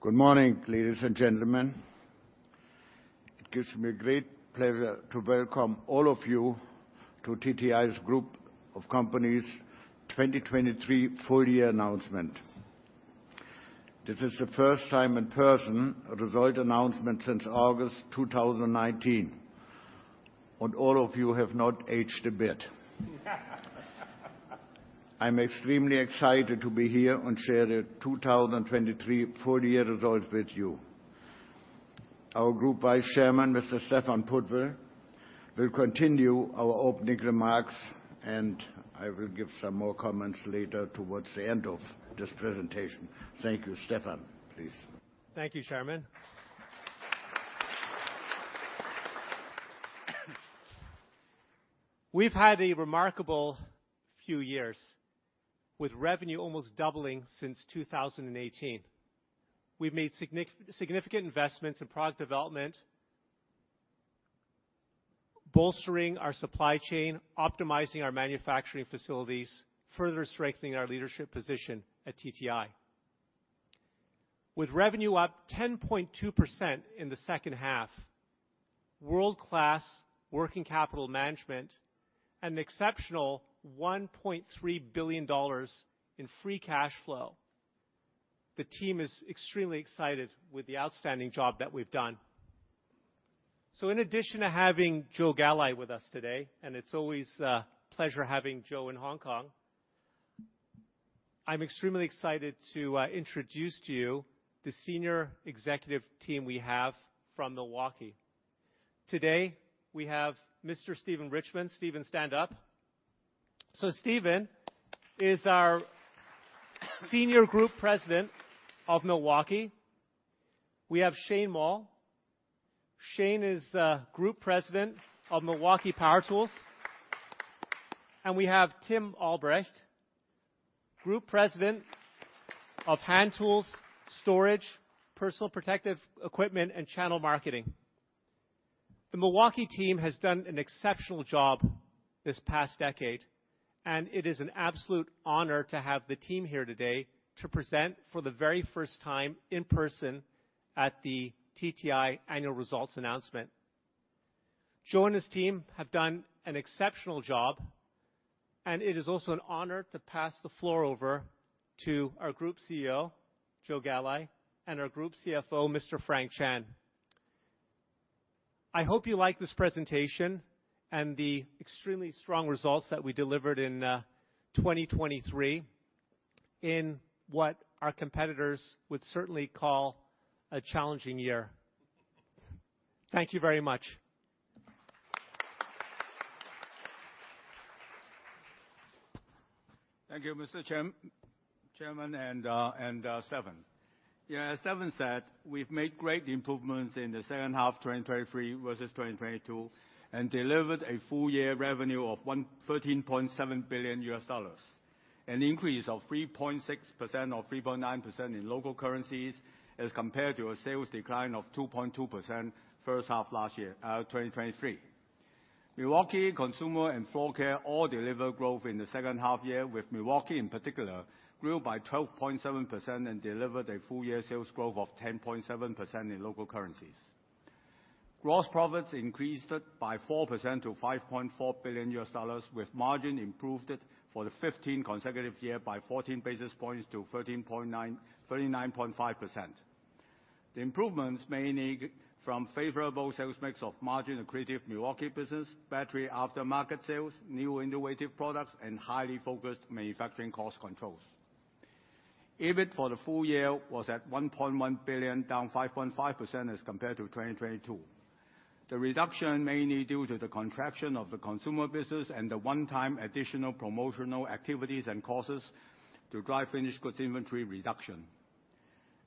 Good morning, ladies and gentlemen. It gives me great pleasure to welcome all of you to TTI's Group of Companies 2023 full-year announcement. This is the first time in person a result announcement since August 2019, and all of you have not aged a bit. I am extremely excited to be here and share the 2023 full-year results with you. Our Group Vice Chairman, Mr. Stephan Pudwill, will continue our opening remarks, and I will give some more comments later towards the end of this presentation. Thank you, Stephan. Please. Thank you, Chairman. We've had a remarkable few years, with revenue almost doubling since 2018. We've made significant investments in product development, bolstering our supply change, optimizing our manufacturing facilities, further strengthening our leadership position at TTI. With revenue up 10.2% in the second half, world-class working capital management, and an exceptional $1.3 billion in free cash flow, the team is extremely excited with the outstanding job that we've done. So in addition to having Joe Galli with us today - and it's always a pleasure having Joe in Hong Kong - I'm extremely excited to introduce to you the senior executive team we have from Milwaukee. Today we have Mr. Steven Richman. Steven, stand up. So Steven is our Senior Group President of Milwaukee. We have Shane Moll. Shane is Group President of Milwaukee Power Tools. And we have Tim Albrecht, Group President of Hand Tools, Storage, Personal Protective Equipment, and Channel Marketing. The Milwaukee team has done an exceptional job this past decade, and it is an absolute honor to have the team here today to present for the very first time in person at the TTI annual results announcement. Joe and his team have done an exceptional job, and it is also an honor to pass the floor over to our Group CEO, Joe Galli, and our Group CFO, Mr. Frank Chan. I hope you like this presentation and the extremely strong results that we delivered in 2023 in what our competitors would certainly call a challenging year. Thank you very much. Thank you, Mr. Chairman and Stephan. Yeah, as Stephan said, we've made great improvements in the second half 2023 versus 2022 and delivered a full-year revenue of $13.7 billion, an increase of 3.6% or 3.9% in local currencies as compared to a sales decline of 2.2% first half last year, 2023. Milwaukee, Consumer, and Floor Care all delivered growth in the second half year, with Milwaukee in particular grew by 12.7% and delivered a full-year sales growth of 10.7% in local currencies. Gross profits increased by 4% to $5.4 billion, with margin improved for the 15 consecutive years by 14 basis points to 39.5%. The improvements mainly come from a favorable sales mix of margin-accretive Milwaukee business, better aftermarket sales, new innovative products, and highly focused manufacturing cost controls. EBIT for the full year was at $1.1 billion, down 5.5% as compared to 2022. The reduction is mainly due to the contraction of the consumer business and the one-time additional promotional activities and costs to drive finished goods inventory reduction.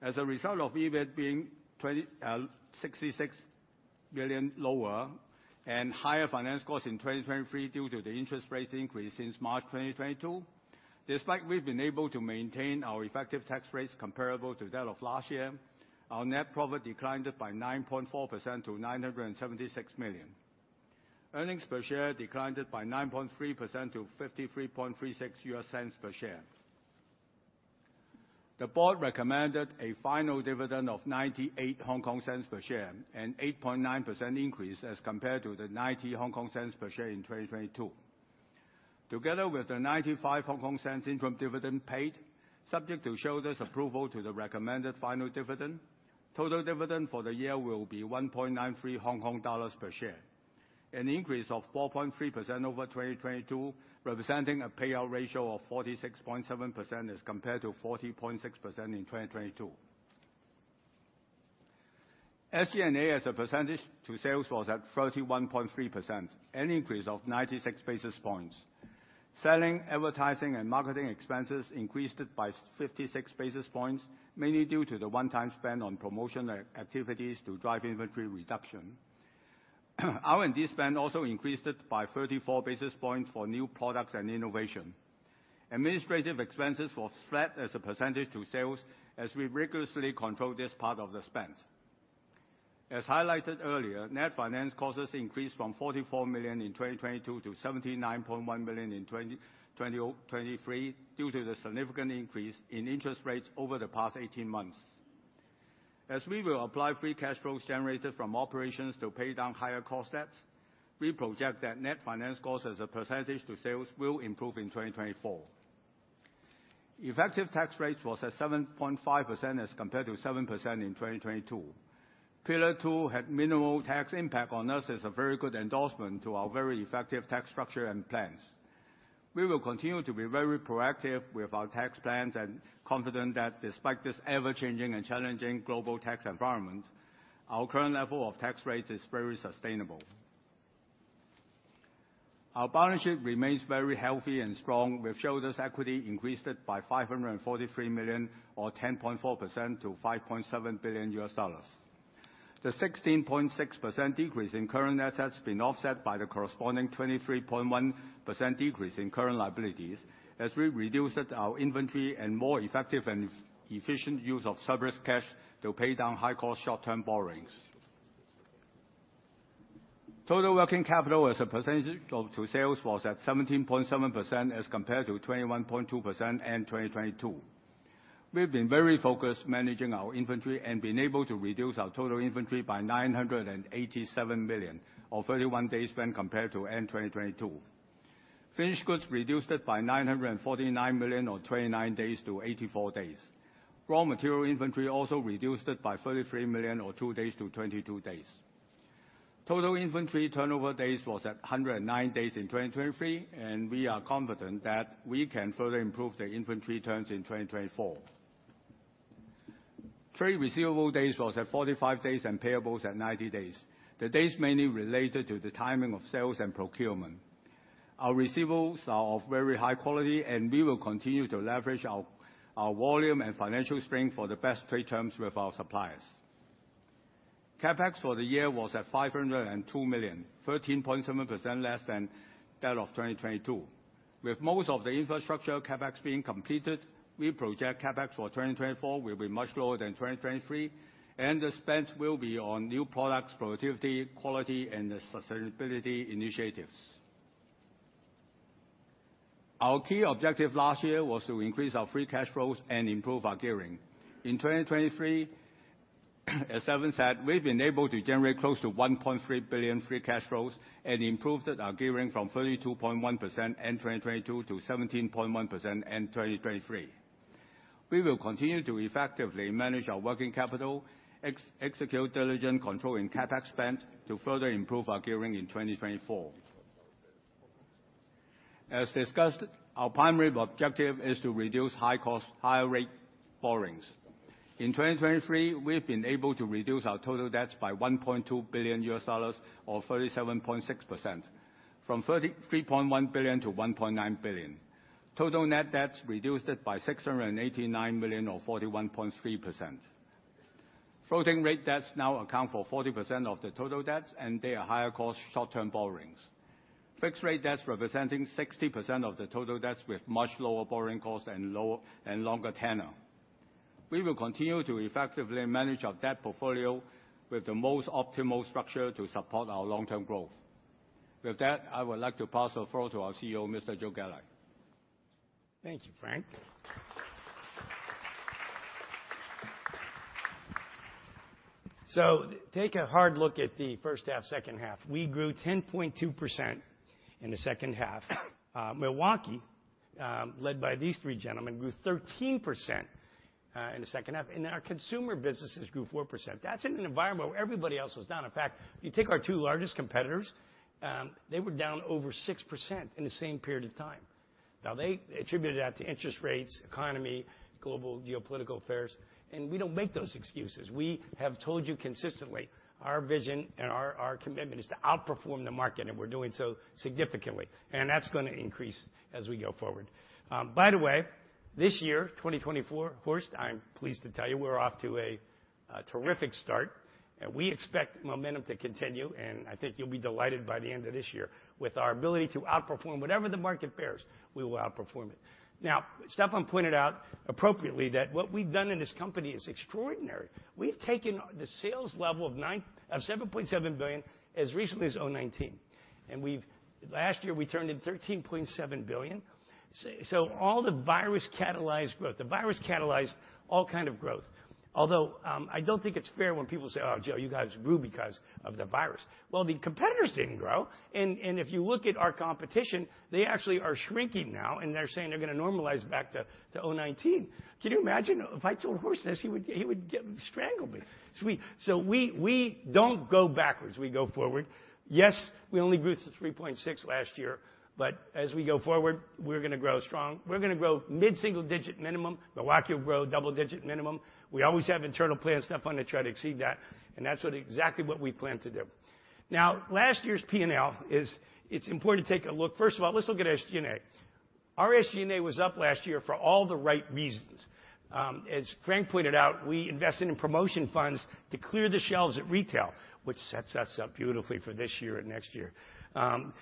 As a result of EBIT being $66 million lower and higher finance costs in 2023 due to the interest rate increase since March 2022, despite we've been able to maintain our effective tax rates comparable to that of last year, our net profit declined by 9.4% to $976 million. Earnings per share declined by 9.3% to $0.5336 per share. The board recommended a final dividend of $0.98 per share, an 8.9% increase as compared to the $0.90 per share in 2022. Together with the $0.95 interim dividend paid, subject to shareholders' approval to the recommended final dividend, total dividend for the year will be $1.93 per share, an increase of 4.3% over 2022 representing a payout ratio of 46.7% as compared to 40.6% in 2022. SG&A, as a percentage to sales, was at 31.3%, an increase of 96 basis points. Selling, advertising, and marketing expenses increased by 56 basis points, mainly due to the one-time spend on promotional activities to drive inventory reduction. R&D spend also increased by 34 basis points for new products and innovation. Administrative expenses were flat as a percentage to sales as we rigorously controlled this part of the spend. As highlighted earlier, net finance costs increased from $44 million in 2022 to $79.1 million in 2023 due to the significant increase in interest rates over the past 18 months. As we will apply free cash flows generated from operations to pay down higher cost debts, we project that net finance costs as a percentage to sales will improve in 2024. Effective tax rates were at 7.5% as compared to 7% in 2022. Pillar Two had minimal tax impact on us as a very good endorsement to our very effective tax structure and plans. We will continue to be very proactive with our tax plans and confident that despite this ever-changing and challenging global tax environment, our current level of tax rates is very sustainable. Our balance sheet remains very healthy and strong, with shareholders' equity increased by $543 million, or 10.4% to $5.7 billion. The 16.6% decrease in current assets has been offset by the corresponding 23.1% decrease in current liabilities as we reduced our inventory and more effective and efficient use of surplus cash to pay down high-cost short-term borrowings. Total working capital as a percentage to sales was at 17.7% as compared to 21.2% end 2022. We've been very focused managing our inventory and been able to reduce our total inventory by $987 million, or 31 days when compared to end 2022. Finished goods reduced by $949 million, or 29 days to 84 days. Raw material inventory also reduced by $33 million, or two days to 22 days. Total inventory turnover days were at 109 days in 2023, and we are confident that we can further improve the inventory turns in 2024. Trade receivable days were at 45 days and payables at 90 days, the days mainly related to the timing of sales and procurement. Our receivables are of very high quality, and we will continue to leverage our volume and financial strength for the best trade terms with our suppliers. CapEx for the year was at $502 million, 13.7% less than that of 2022. With most of the infrastructure CapEx being completed, we project CapEx for 2024 will be much lower than 2023, and the spend will be on new products, productivity, quality, and sustainability initiatives. Our key objective last year was to increase our free cash flows and improve our gearing. In 2023, as Stephan said, we've been able to generate close to $1.3 billion free cash flows and improved our gearing from 32.1% end 2022 to 17.1% end 2023. We will continue to effectively manage our working capital, execute diligent control in CapEx spend to further improve our gearing in 2024. As discussed, our primary objective is to reduce high-cost, high-rate borrowings. In 2023, we've been able to reduce our total debts by $1.2 billion, or 37.6%, from $3.1 billion to $1.9 billion. Total net debts reduced by $689 million, or 41.3%. Floating-rate debts now account for 40% of the total debts, and they are higher-cost short-term borrowings. Fixed-rate debts represent 60% of the total debts, with much lower borrowing costs and longer tenor. We will continue to effectively manage our debt portfolio with the most optimal structure to support our long-term growth. With that, I would like to pass the floor to our CEO, Mr. Joe Galli. Thank you, Frank. So take a hard look at the first half, second half. We grew 10.2% in the second half. Milwaukee, led by these three gentlemen, grew 13% in the second half, and our consumer businesses grew 4%. That's in an environment where everybody else was down. In fact, if you take our two largest competitors, they were down over 6% in the same period of time. Now, they attributed that to interest rates, economy, global geopolitical affairs. And we don't make those excuses. We have told you consistently our vision and our commitment is to outperform the market, and we're doing so significantly. And that's going to increase as we go forward. By the way, this year, 2024, Horst, I'm pleased to tell you we're off to a terrific start. We expect momentum to continue, and I think you'll be delighted by the end of this year. With our ability to outperform whatever the market bears, we will outperform it. Now, Stephan pointed out appropriately that what we've done in this company is extraordinary. We've taken the sales level of $7.7 billion as recently as 2019. Last year we turned it $13.7 billion. So all the virus catalyzed growth. The virus catalyzed all kinds of growth. Although I don't think it's fair when people say, "Oh, Joe, you guys grew because of the virus." Well, the competitors didn't grow. And if you look at our competition, they actually are shrinking now, and they're saying they're going to normalize back to 2019. Can you imagine? If I told Horst this, he would strangle me. So we don't go backwards. We go forward. Yes, we only grew to 3.6% last year, but as we go forward, we're going to grow strong. We're going to grow mid-single-digit% minimum. Milwaukee will grow double-digit minimum. We always have internal plans, Stephan, to try to exceed that. And that's exactly what we plan to do. Now, last year's P&L, it's important to take a look. First of all, let's look at SG&A. Our SG&A was up last year for all the right reasons. As Frank pointed out, we invested in promotion funds to clear the shelves at retail, which sets us up beautifully for this year and next year.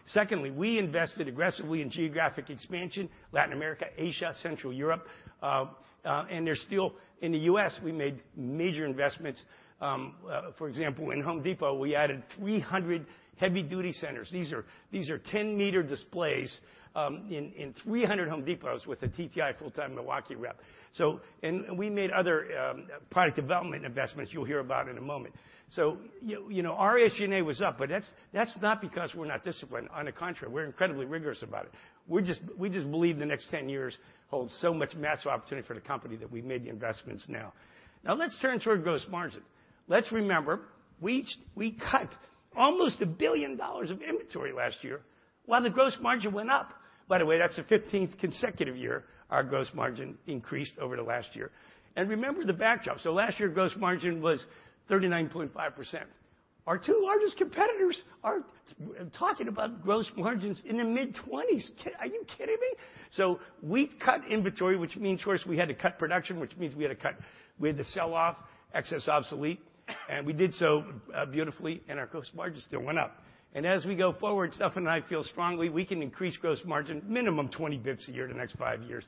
Secondly, we invested aggressively in geographic expansion: Latin America, Asia, Central Europe. And there's still in the U.S., we made major investments. For example, in Home Depot, we added 300 Heavy Duty Centers. These are 10-meter displays in 300 Home Depots with a TTI full-time Milwaukee rep. And we made other product development investments you'll hear about in a moment. So our SG&A was up, but that's not because we're not disciplined. On the contrary, we're incredibly rigorous about it. We just believe the next 10 years hold so much massive opportunity for the company that we made the investments now. Now, let's turn toward gross margin. Let's remember we cut almost $1 billion of inventory last year while the gross margin went up. By the way, that's the 15th consecutive year our gross margin increased over the last year. And remember the backdrop. So last year gross margin was 39.5%. Our two largest competitors are talking about gross margins in the mid-20s. Are you kidding me? So we cut inventory, which means, of course, we had to cut production, which means we had to sell off excess obsolete. And we did so beautifully, and our gross margin still went up. As we go forward, Stephan and I feel strongly we can increase gross margin minimum 20 basis points a year in the next five years.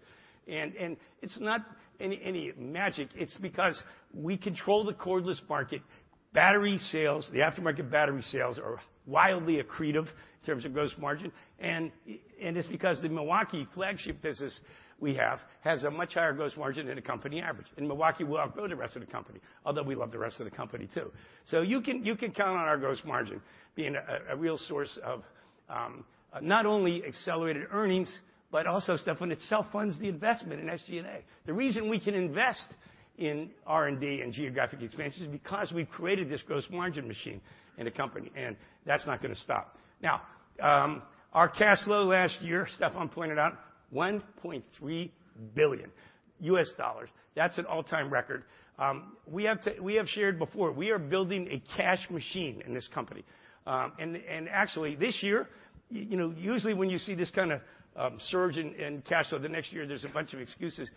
It's not any magic. It's because we control the cordless market. Battery sales, the aftermarket battery sales, are wildly accretive in terms of gross margin. It's because the Milwaukee flagship business we have has a much higher gross margin than the company average. Milwaukee will outgrow the rest of the company, although we love the rest of the company too. So you can count on our gross margin being a real source of not only accelerated earnings, but also, Stephan, it self-funds the investment in SG&A. The reason we can invest in R&D and geographic expansion is because we've created this gross margin machine in the company, and that's not going to stop. Now, our cash flow last year, Stephan pointed out, $1.3 billion. That's an all-time record. We have shared before. We are building a cash machine in this company. And actually, this year, usually when you see this kind of surge in cash flow the next year, there's a bunch of excuses.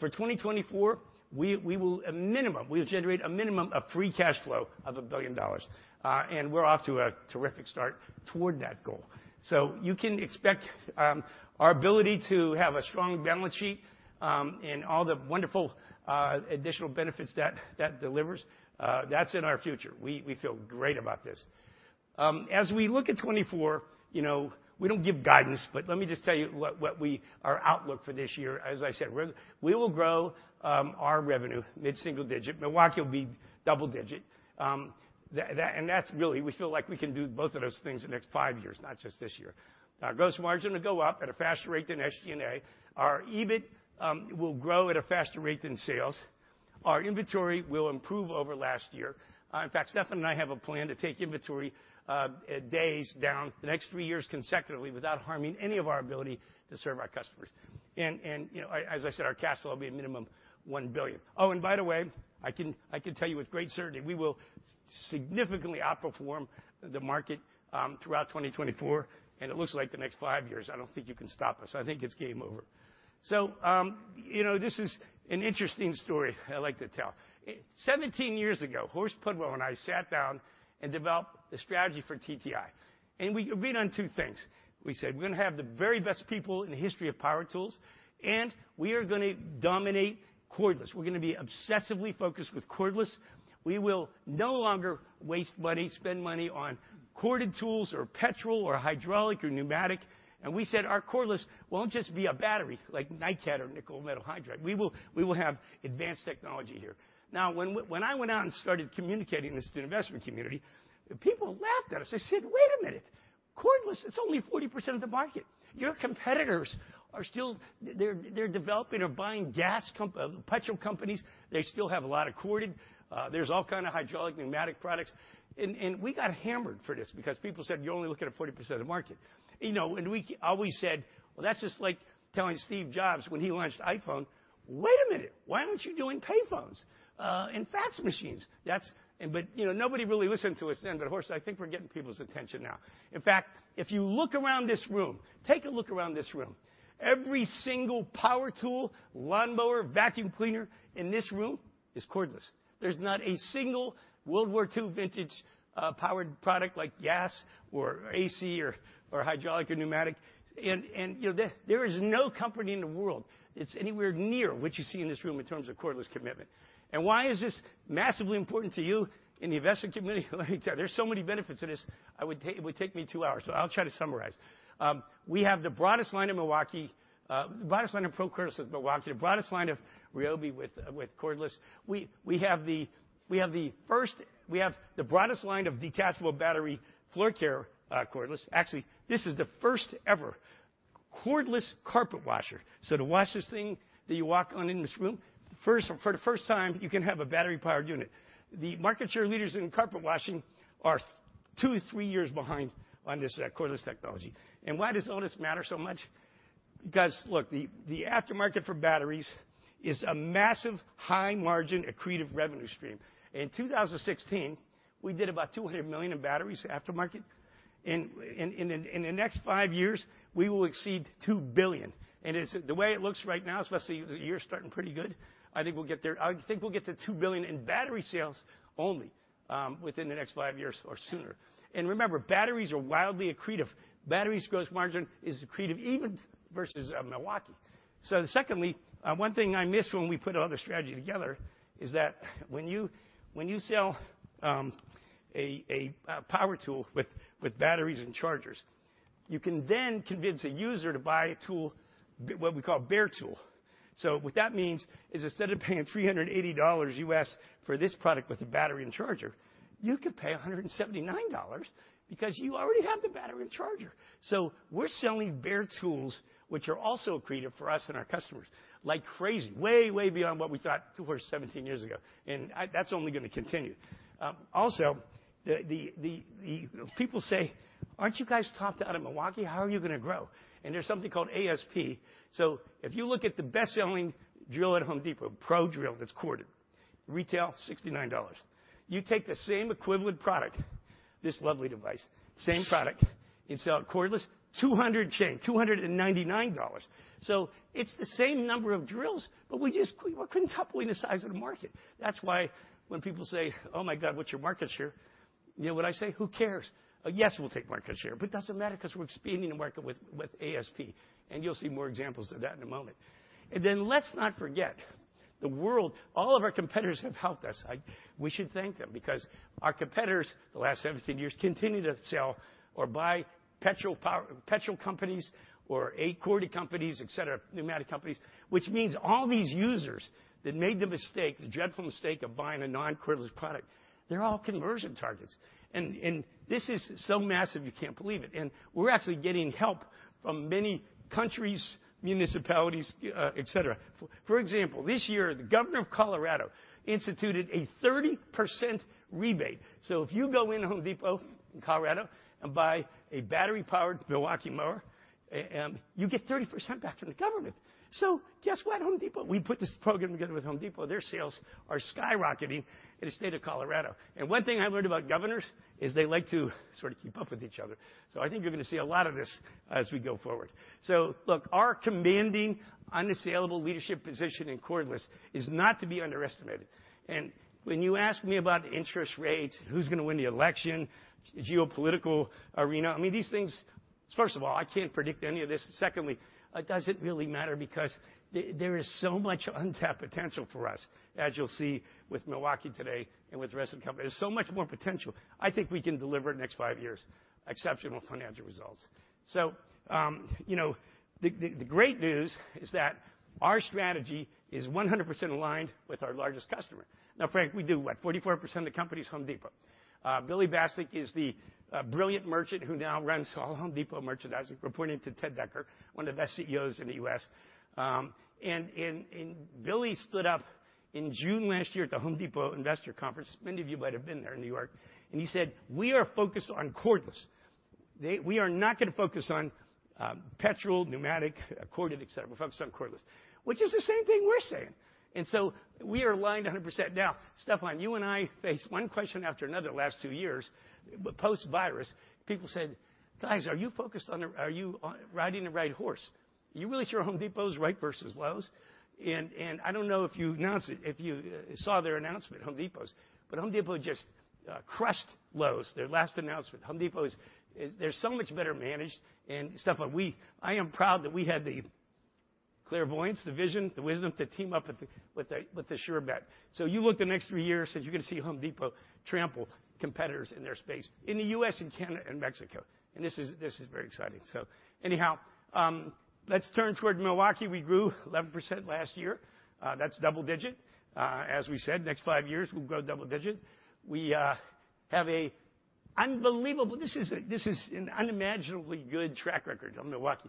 For 2024, we will, at minimum, we will generate a minimum of free cash flow of $1 billion. And we're off to a terrific start toward that goal. So you can expect our ability to have a strong balance sheet and all the wonderful additional benefits that delivers, that's in our future. We feel great about this. As we look at 2024, we don't give guidance, but let me just tell you what our outlook for this year. As I said, we will grow our revenue mid-single-digit. Milwaukee will be double-digit. And that's really we feel like we can do both of those things in the next five years, not just this year. Our gross margin will go up at a faster rate than SG&A. Our EBIT will grow at a faster rate than sales. Our inventory will improve over last year. In fact, Stephan and I have a plan to take inventory days down the next three years consecutively without harming any of our ability to serve our customers. And as I said, our cash flow will be a minimum $1 billion. Oh, and by the way, I can tell you with great certainty we will significantly outperform the market throughout 2024, and it looks like the next five years. I don't think you can stop us. I think it's game over. So this is an interesting story I like to tell. 17 years ago, Horst Pudwill and I sat down and developed the strategy for TTI. We agreed on two things. We said, "We're going to have the very best people in the history of power tools, and we are going to dominate cordless. We're going to be obsessively focused with cordless. We will no longer waste money, spend money on corded tools or petrol or hydraulic or pneumatic." We said, "Our cordless won't just be a battery like NiCad or nickel metal hydride. We will have advanced technology here." Now, when I went out and started communicating this to the investment community, people laughed at us. They said, "Wait a minute. Cordless, it's only 40% of the market. Your competitors are still they're developing or buying petrol companies. They still have a lot of corded. There's all kinds of hydraulic pneumatic products." We got hammered for this because people said, "You're only looking at 40% of the market." We always said, "Well, that's just like telling Steve Jobs when he launched iPhone, 'Wait a minute. Why aren't you doing payphones and fax machines?'" But nobody really listened to us then. But, Horst, I think we're getting people's attention now. In fact, if you look around this room, take a look around this room, every single power tool, lawnmower, vacuum cleaner in this room is cordless. There's not a single World War II vintage-powered product like gas or AC or hydraulic or pneumatic. There is no company in the world that's anywhere near what you see in this room in terms of cordless commitment. Why is this massively important to you in the investment community? Let me tell you. There's so many benefits to this. It would take me two hours. So I'll try to summarize. We have the broadest line of Milwaukee, the broadest line of pro cordless with Milwaukee, the broadest line of Ryobi with cordless. We have the first—we have the broadest line of detachable battery floorcare cordless. Actually, this is the first-ever cordless carpet washer. So to wash this thing that you walk on in this room, for the first time, you can have a battery-powered unit. The market share leaders in carpet washing are two or three years behind on this cordless technology. And why does all this matter so much? Because, look, the aftermarket for batteries is a massive, high-margin, accretive revenue stream. In 2016, we did about $200 million in aftermarket batteries. In the next five years, we will exceed $2 billion. And the way it looks right now, especially the year starting pretty good, I think we'll get there. I think we'll get to $2 billion in battery sales only within the next five years or sooner. And remember, batteries are wildly accretive. Batteries' gross margin is accretive even versus Milwaukee. So secondly, one thing I missed when we put all this strategy together is that when you sell a power tool with batteries and chargers, you can then convince a user to buy a tool, what we call a bare tool. So what that means is instead of paying $380 US for this product with a battery and charger, you could pay $179 because you already have the battery and charger. So we're selling bare tools, which are also accretive for us and our customers, like crazy, way, way beyond what we thought to Horst 17 years ago. And that's only going to continue. Also, people say, "Aren't you guys topped out at Milwaukee? How are you going to grow?" And there's something called ASP. So if you look at the best-selling drill at Home Depot, ProDrill, that's corded, retail, $69. You take the same equivalent product, this lovely device, same product, and sell it cordless, $200 chain, $299. So it's the same number of drills, but we couldn't double in the size of the market. That's why when people say, "Oh my God, what's your market share?" What I say, "Who cares?" "Yes, we'll take market share." But that doesn't matter because we're expanding the market with ASP. And you'll see more examples of that in a moment. And then let's not forget, the world all of our competitors have helped us. We should thank them because our competitors, the last 17 years, continue to sell or buy petrol companies or a corded companies, etc., pneumatic companies, which means all these users that made the mistake, the dreadful mistake of buying a non-cordless product, they're all conversion targets. And this is so massive you can't believe it. And we're actually getting help from many countries, municipalities, etc. For example, this year, the governor of Colorado instituted a 30% rebate. So if you go into Home Depot in Colorado and buy a battery-powered Milwaukee mower, you get 30% back from the government. So guess what? Home Depot, we put this program together with Home Depot. Their sales are skyrocketing in the state of Colorado. And one thing I learned about governors is they like to sort of keep up with each other. So I think you're going to see a lot of this as we go forward. So look, our commanding, unassailable leadership position in cordless is not to be underestimated. And when you ask me about interest rates, who's going to win the election, the geopolitical arena, I mean, these things first of all, I can't predict any of this. Secondly, does it really matter? Because there is so much untapped potential for us, as you'll see with Milwaukee today and with the rest of the company. There's so much more potential. I think we can deliver in the next five years exceptional financial results. So the great news is that our strategy is 100% aligned with our largest customer. Now, Frank, we do what? 44% of the company is Home Depot. Billy Bastek is the brilliant merchant who now runs all Home Depot merchandising. We're pointing to Ted Decker, one of the best CEOs in the U.S. And Billy stood up in June last year at The Home Depot Investor Conference. Many of you might have been there in New York. And he said, "We are focused on cordless. We are not going to focus on petrol, pneumatic, corded, etc. We're focused on cordless," which is the same thing we're saying. And so we are aligned 100%. Now, Stephan, you and I face one question after another the last two years. Post-virus, people said, "Guys, are you focused on riding the right horse? Are you really sure Home Depot is right versus Lowe's?" And I don't know if you saw their announcement, Home Depot's. But Home Depot just crushed Lowe's, their last announcement. Home Depot, they're so much better managed. And, Stephan, I am proud that we had the clairvoyance, the vision, the wisdom to team up with the sure bet. So you look the next three years, and you're going to see Home Depot trample competitors in their space in the U.S. and Canada and Mexico. And this is very exciting. So anyhow, let's turn toward Milwaukee. We grew 11% last year. That's double-digit. As we said, next five years, we'll grow double-digit. We have an unbelievable this is an unimaginably good track record on Milwaukee.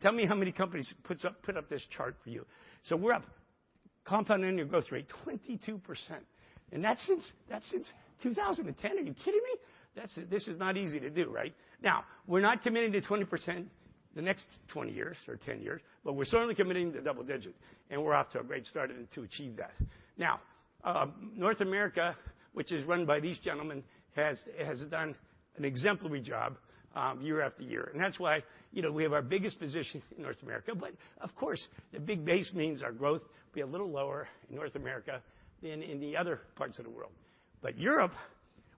Tell me how many companies put up this chart for you. So we're up compound annual growth rate 22%. And that's since 2010. Are you kidding me? This is not easy to do, right? Now, we're not committing to 20% the next 20 years or 10 years, but we're certainly committing to double-digit. And we're off to a great start to achieve that. Now, North America, which is run by these gentlemen, has done an exemplary job year after year. And that's why we have our biggest position in North America. But of course, the big base means our growth will be a little lower in North America than in the other parts of the world. But Europe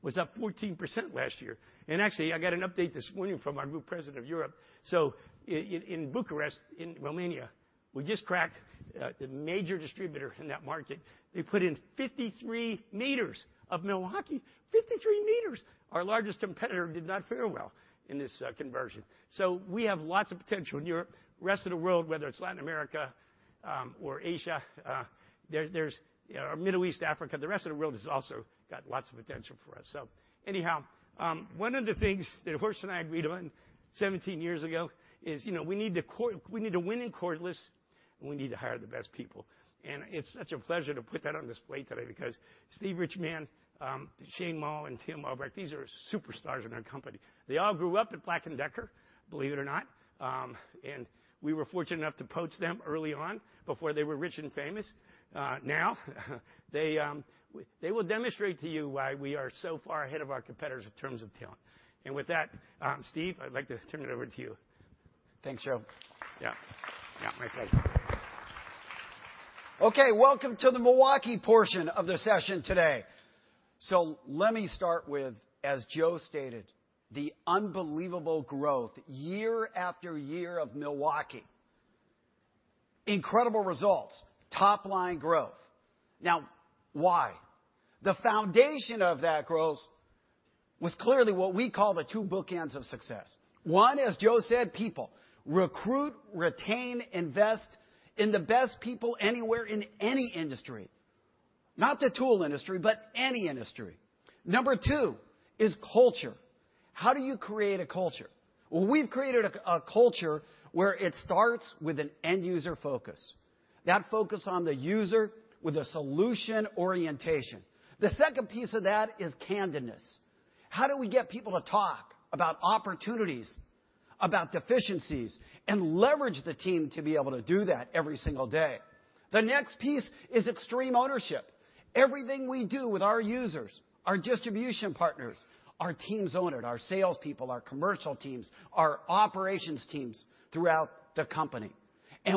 was up 14% last year. And actually, I got an update this morning from our new president of Europe. So in Bucharest, in Romania, we just cracked the major distributor in that market. They put in 53 meters of Milwaukee. 53 meters. Our largest competitor did not fare well in this conversion. So we have lots of potential in Europe. The rest of the world, whether it's Latin America or Asia, there's Middle East, Africa, the rest of the world has also got lots of potential for us. So anyhow, one of the things that Horst and I agreed on 17 years ago is we need to win in cordless, and we need to hire the best people. And it's such a pleasure to put that on display today because Steve Richman, Shane Moll, and Tim Albrecht, these are superstars in our company. They all grew up at Black & Decker, believe it or not. And we were fortunate enough to poach them early on before they were rich and famous. Now, they will demonstrate to you why we are so far ahead of our competitors in terms of talent. And with that, Steve, I'd like to turn it over to you. Thanks, Joe. Yeah. Yeah, my pleasure. Okay, welcome to the Milwaukee portion of the session today. So let me start with, as Joe stated, the unbelievable growth year after year of Milwaukee. Incredible results, top-line growth. Now, why? The foundation of that growth was clearly what we call the two bookends of success. One, as Joe said, people. Recruit, retain, invest in the best people anywhere in any industry. Not the tool industry, but any industry. Number two is culture. How do you create a culture? Well, we've created a culture where it starts with an end-user focus. That focus on the user with a solution orientation. The second piece of that is candidness. How do we get people to talk about opportunities, about deficiencies, and leverage the team to be able to do that every single day? The next piece is extreme ownership. Everything we do with our users, our distribution partners, our teams own it, our salespeople, our commercial teams, our operations teams throughout the company.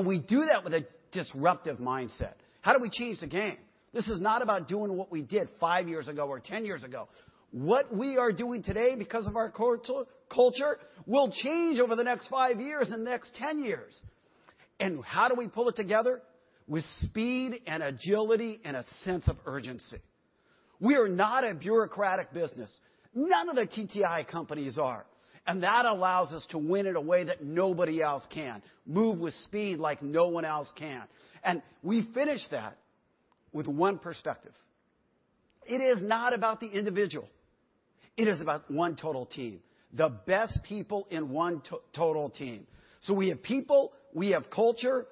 We do that with a disruptive mindset. How do we change the game? This is not about doing what we did 5 years ago or 10 years ago. What we are doing today because of our culture will change over the next 5 years and the next 10 years. How do we pull it together? With speed and agility and a sense of urgency. We are not a bureaucratic business. None of the TTI companies are. That allows us to win in a way that nobody else can, move with speed like no one else can. We finish that with one perspective. It is not about the individual. It is about one total team, the best people in one total team. So we have people, we have culture.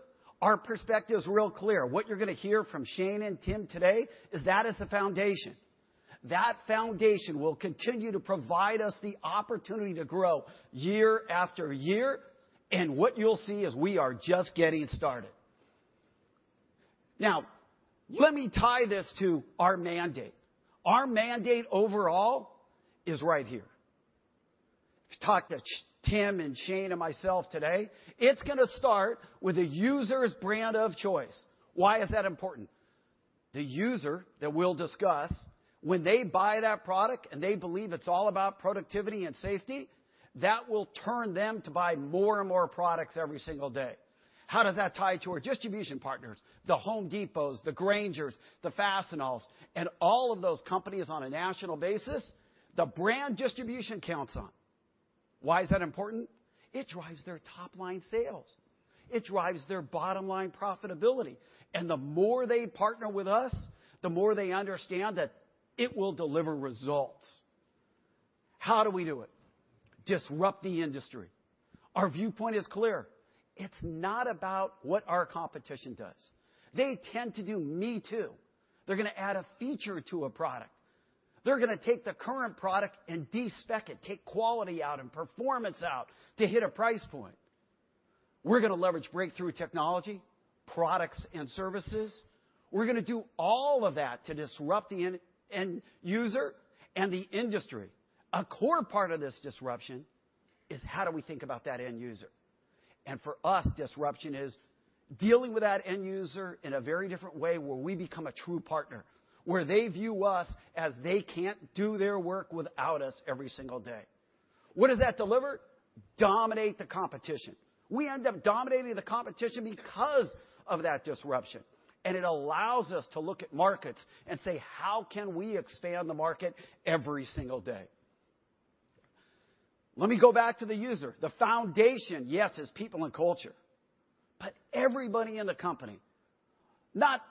Our perspective is real clear. What you're going to hear from Shane and Tim today is that is the foundation. That foundation will continue to provide us the opportunity to grow year after year. And what you'll see is we are just getting started. Now, let me tie this to our mandate. Our mandate overall is right here. If you talk to Tim and Shane and myself today, it's going to start with a user's brand of choice. Why is that important? The user that we'll discuss, when they buy that product and they believe it's all about productivity and safety, that will turn them to buy more and more products every single day. How does that tie to our distribution partners, the Home Depots, the Grainger, the Fastenal, and all of those companies on a national basis? The brand distribution counts on. Why is that important? It drives their top-line sales. It drives their bottom-line profitability. And the more they partner with us, the more they understand that it will deliver results. How do we do it? Disrupt the industry. Our viewpoint is clear. It's not about what our competition does. They tend to do me-too. They're going to add a feature to a product. They're going to take the current product and despec it, take quality out and performance out to hit a price point. We're going to leverage breakthrough technology, products, and services. We're going to do all of that to disrupt the end user and the industry. A core part of this disruption is how do we think about that end user? For us, disruption is dealing with that end user in a very different way where we become a true partner, where they view us as they can't do their work without us every single day. What does that deliver? Dominate the competition. We end up dominating the competition because of that disruption. It allows us to look at markets and say, "How can we expand the market every single day?" Let me go back to the user. The foundation, yes, is people and culture. But everybody in the company, not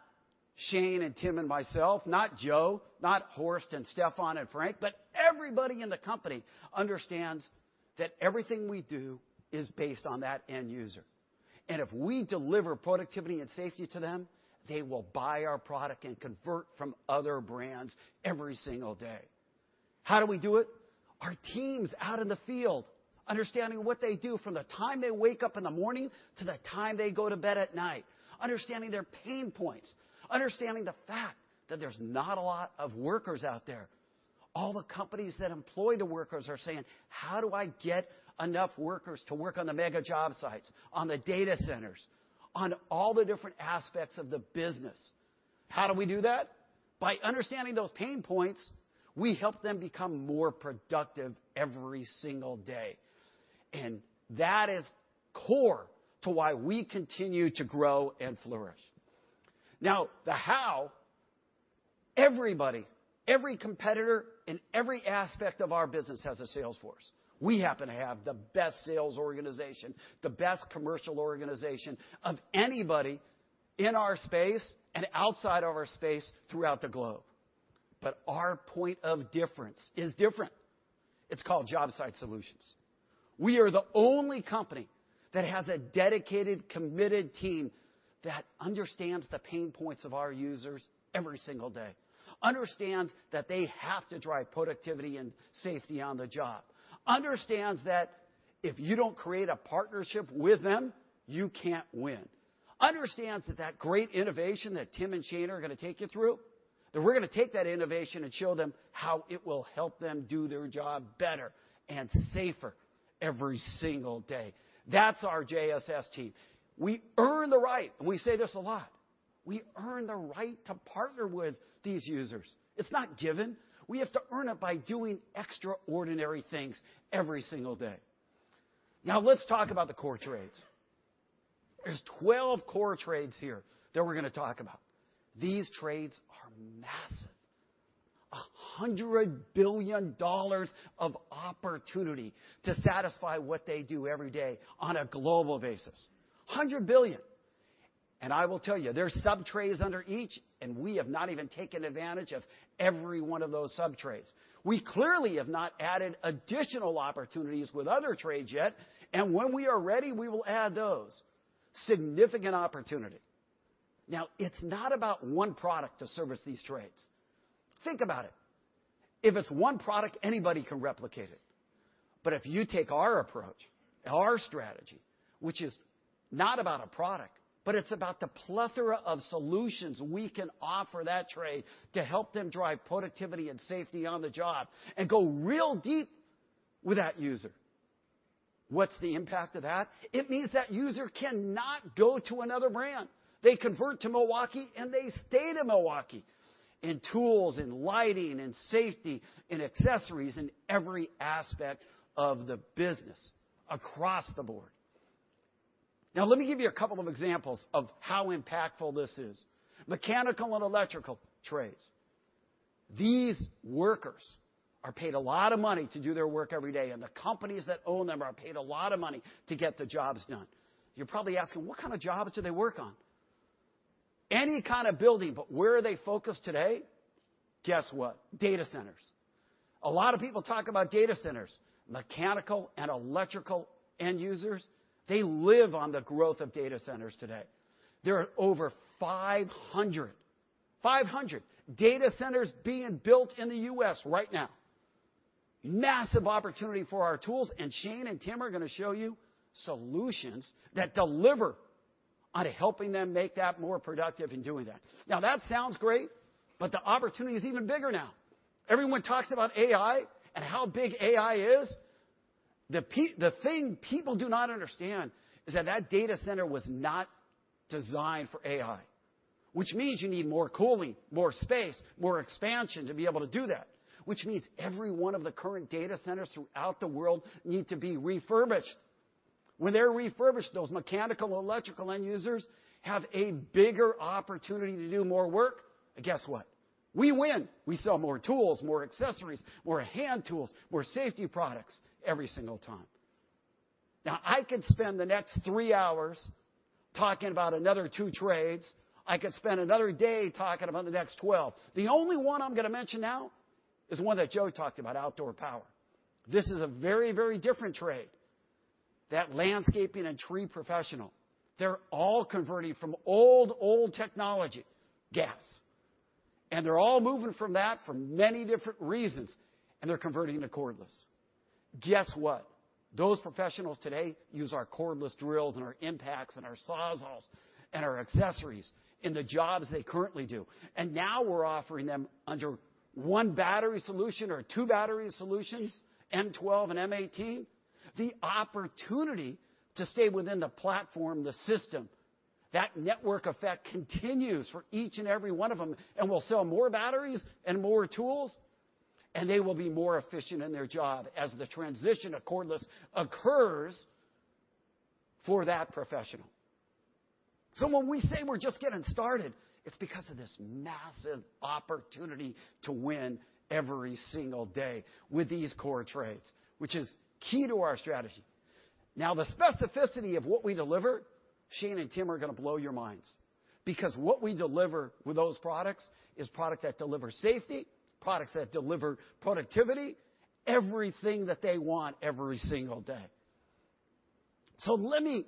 Shane and Tim and myself, not Joe, not Horst and Stephan and Frank, but everybody in the company understands that everything we do is based on that end user. If we deliver productivity and safety to them, they will buy our product and convert from other brands every single day. How do we do it? Our teams out in the field, understanding what they do from the time they wake up in the morning to the time they go to bed at night, understanding their pain points, understanding the fact that there's not a lot of workers out there. All the companies that employ the workers are saying, "How do I get enough workers to work on the mega job sites, on the data centers, on all the different aspects of the business?" How do we do that? By understanding those pain points, we help them become more productive every single day. And that is core to why we continue to grow and flourish. Now, the how, everybody, every competitor in every aspect of our business has a sales force. We happen to have the best sales organization, the best commercial organization of anybody in our space and outside of our space throughout the globe. But our point of difference is different. It's called Job Site Solutions. We are the only company that has a dedicated, committed team that understands the pain points of our users every single day, understands that they have to drive productivity and safety on the job, understands that if you don't create a partnership with them, you can't win, understands that that great innovation that Tim and Shane are going to take you through, that we're going to take that innovation and show them how it will help them do their job better and safer every single day. That's our JSS team. We earn the right, and we say this a lot, we earn the right to partner with these users. It's not given. We have to earn it by doing extraordinary things every single day. Now, let's talk about the core trades. There's 12 core trades here that we're going to talk about. These trades are massive, $100 billion of opportunity to satisfy what they do every day on a global basis. $100 billion. I will tell you, there are subtrades under each, and we have not even taken advantage of every one of those subtrades. We clearly have not added additional opportunities with other trades yet. When we are ready, we will add those. Significant opportunity. Now, it's not about one product to service these trades. Think about it. If it's one product, anybody can replicate it. But if you take our approach, our strategy, which is not about a product, but it's about the plethora of solutions we can offer that trade to help them drive productivity and safety on the job and go real deep with that user, what's the impact of that? It means that user cannot go to another brand. They convert to Milwaukee, and they stay to Milwaukee in tools, in lighting, in safety, in accessories, in every aspect of the business across the board. Now, let me give you a couple of examples of how impactful this is. Mechanical and electrical trades. These workers are paid a lot of money to do their work every day. And the companies that own them are paid a lot of money to get the jobs done. You're probably asking, "What kind of jobs do they work on?" Any kind of building. But where are they focused today? Guess what? Data centers. A lot of people talk about data centers, mechanical and electrical end users. They live on the growth of data centers today. There are over 500, 500 data centers being built in the U.S. right now. Massive opportunity for our tools. Shane and Tim are going to show you solutions that deliver on helping them make that more productive in doing that. Now, that sounds great, but the opportunity is even bigger now. Everyone talks about AI and how big AI is. The thing people do not understand is that that data center was not designed for AI, which means you need more cooling, more space, more expansion to be able to do that, which means every one of the current data centers throughout the world needs to be refurbished. When they're refurbished, those mechanical and electrical end users have a bigger opportunity to do more work. Guess what? We win. We sell more tools, more accessories, more hand tools, more safety products every single time. Now, I could spend the next three hours talking about another two trades. I could spend another day talking about the next 12. The only one I'm going to mention now is one that Joe talked about, outdoor power. This is a very, very different trade. That landscaping and tree professional, they're all converting from old, old technology, gas. They're all moving from that for many different reasons. They're converting to cordless. Guess what? Those professionals today use our cordless drills and our impacts and our Sawzalls and our accessories in the jobs they currently do. Now we're offering them under one battery solution or two battery solutions, M12 and M18, the opportunity to stay within the platform, the system. That network effect continues for each and every one of them. We'll sell more batteries and more tools. They will be more efficient in their job as the transition to cordless occurs for that professional. So when we say we're just getting started, it's because of this massive opportunity to win every single day with these core trades, which is key to our strategy. Now, the specificity of what we deliver, Shane and Tim are going to blow your minds because what we deliver with those products is product that deliver safety, products that deliver productivity, everything that they want every single day. So let me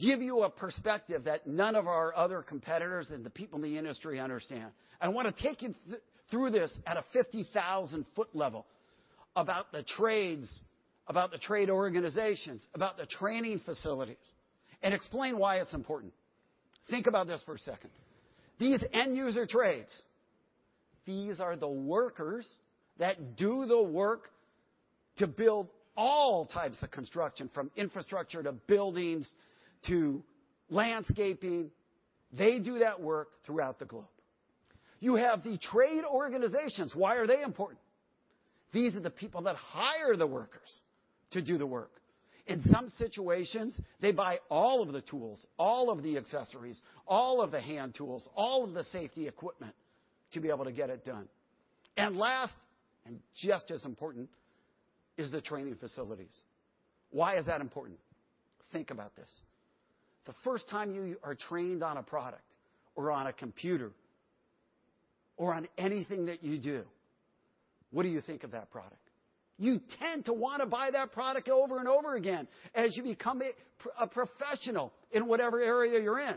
give you a perspective that none of our other competitors and the people in the industry understand. I want to take you through this at a 50,000-foot level about the trades, about the trade organizations, about the training facilities, and explain why it's important. Think about this for a second. These end user trades, these are the workers that do the work to build all types of construction, from infrastructure to buildings to landscaping. They do that work throughout the globe. You have the trade organizations. Why are they important? These are the people that hire the workers to do the work. In some situations, they buy all of the tools, all of the accessories, all of the hand tools, all of the safety equipment to be able to get it done. And last and just as important is the training facilities. Why is that important? Think about this. The first time you are trained on a product or on a computer or on anything that you do, what do you think of that product? You tend to want to buy that product over and over again as you become a professional in whatever area you're in.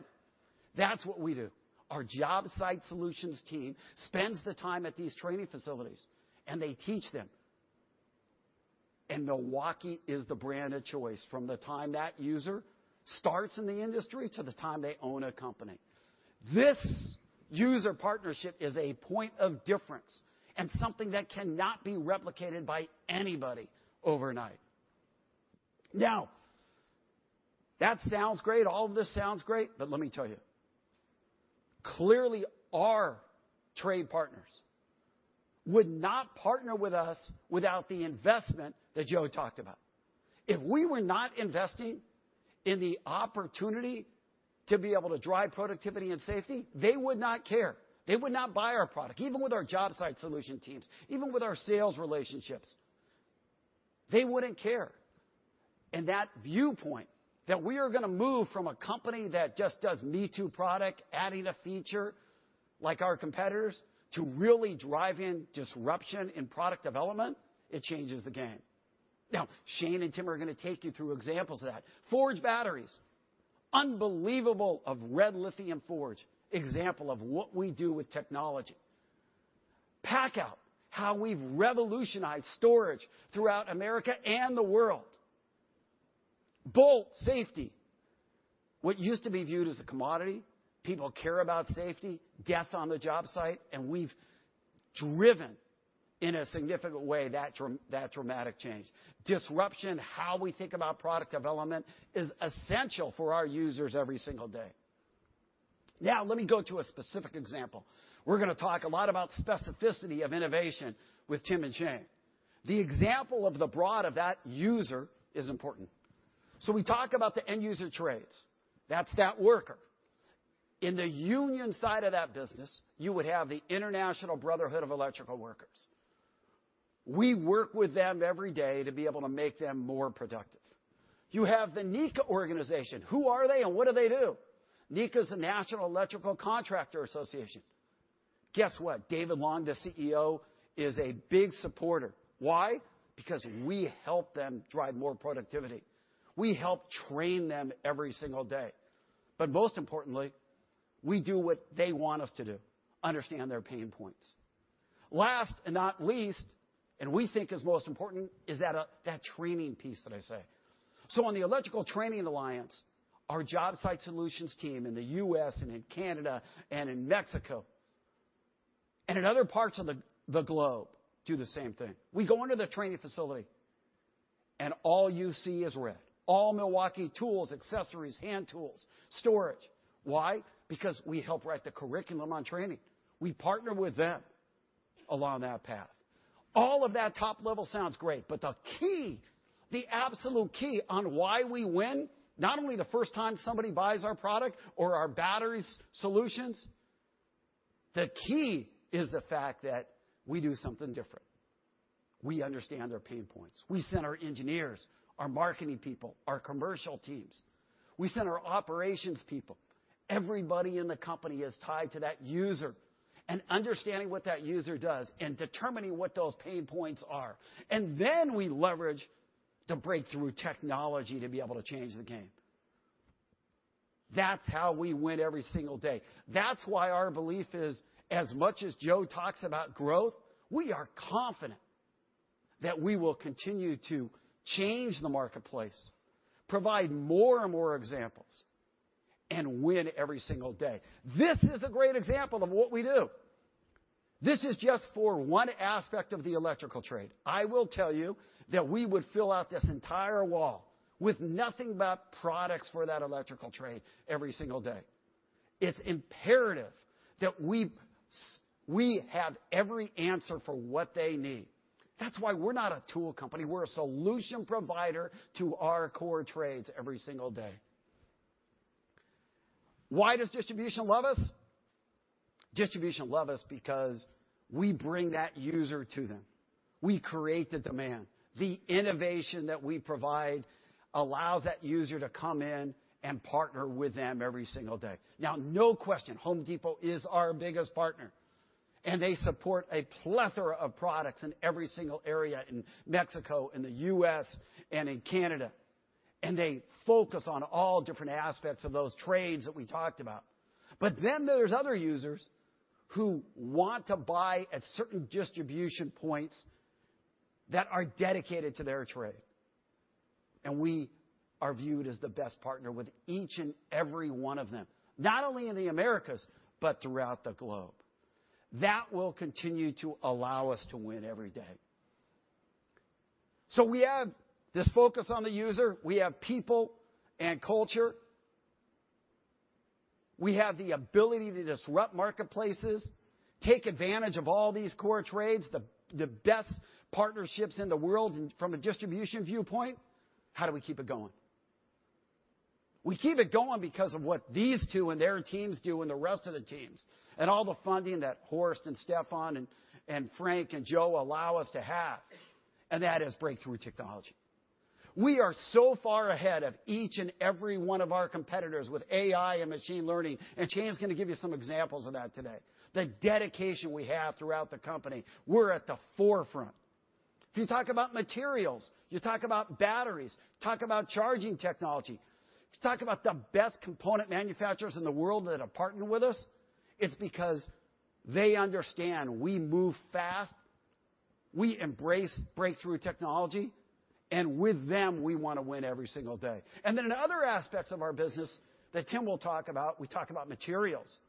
That's what we do. Our Job Site Solutions team spends the time at these training facilities, and they teach them. Milwaukee is the brand of choice from the time that user starts in the industry to the time they own a company. This user partnership is a point of difference and something that cannot be replicated by anybody overnight. Now, that sounds great. All of this sounds great. But let me tell you, clearly, our trade partners would not partner with us without the investment that Joe talked about. If we were not investing in the opportunity to be able to drive productivity and safety, they would not care. They would not buy our product, even with our Job Site Solution teams, even with our sales relationships. They wouldn't care. And that viewpoint that we are going to move from a company that just does me too product, adding a feature like our competitors, to really drive in disruption in product development, it changes the game. Now, Shane and Tim are going to take you through examples of that. REDLITHIUM FORGE batteries, unbelievable of REDLITHIUM FORGE, example of what we do with technology. PACKOUT, how we've revolutionized storage throughout America and the world. BOLT, safety, what used to be viewed as a commodity. People care about safety, death on the job site. And we've driven in a significant way that dramatic change. Disruption, how we think about product development is essential for our users every single day. Now, let me go to a specific example. We're going to talk a lot about specificity of innovation with Tim and Shane. The example of the broad of that user is important. So we talk about the end user trades. That's that worker. In the union side of that business, you would have the International Brotherhood of Electrical Workers. We work with them every day to be able to make them more productive. You have the NECA organization. Who are they and what do they do? NECA is the National Electrical Contractors Association. Guess what? David Long, the CEO, is a big supporter. Why? Because we help them drive more productivity. We help train them every single day. But most importantly, we do what they want us to do, understand their pain points. Last and not least, and we think is most important, is that training piece that I say. So on the Electrical Training Alliance, our Job Site Solutions team in the U.S. and in Canada and in Mexico and in other parts of the globe do the same thing. We go into the training facility, and all you see is red. All Milwaukee tools, accessories, hand tools, storage. Why? Because we help write the curriculum on training. We partner with them along that path. All of that top level sounds great. But the key, the absolute key on why we win, not only the first time somebody buys our product or our battery solutions, the key is the fact that we do something different. We understand their pain points. We send our engineers, our marketing people, our commercial teams. We send our operations people. Everybody in the company is tied to that user and understanding what that user does and determining what those pain points are. And then we leverage the breakthrough technology to be able to change the game. That's how we win every single day. That's why our belief is, as much as Joe talks about growth, we are confident that we will continue to change the marketplace, provide more and more examples, and win every single day. This is a great example of what we do. This is just for one aspect of the electrical trade. I will tell you that we would fill out this entire wall with nothing but products for that electrical trade every single day. It's imperative that we have every answer for what they need. That's why we're not a tool company. We're a solution provider to our core trades every single day. Why does distribution love us? Distribution loves us because we bring that user to them. We create the demand. The innovation that we provide allows that user to come in and partner with them every single day. Now, no question, Home Depot is our biggest partner. And they support a plethora of products in every single area in Mexico and the U.S. and in Canada. And they focus on all different aspects of those trades that we talked about. But then there's other users who want to buy at certain distribution points that are dedicated to their trade. And we are viewed as the best partner with each and every one of them, not only in the Americas, but throughout the globe. That will continue to allow us to win every day. So we have this focus on the user. We have people and culture. We have the ability to disrupt marketplaces, take advantage of all these core trades, the best partnerships in the world from a distribution viewpoint. How do we keep it going? We keep it going because of what these two and their teams do and the rest of the teams and all the funding that Horst and Stephan and Frank and Joe allow us to have. And that is breakthrough technology. We are so far ahead of each and every one of our competitors with AI and machine learning. Shane is going to give you some examples of that today. The dedication we have throughout the company, we're at the forefront. If you talk about materials, you talk about batteries, talk about charging technology, talk about the best component manufacturers in the world that have partnered with us, it's because they understand we move fast, we embrace breakthrough technology, and with them, we want to win every single day. Then in other aspects of our business that Tim will talk about, we talk about materials.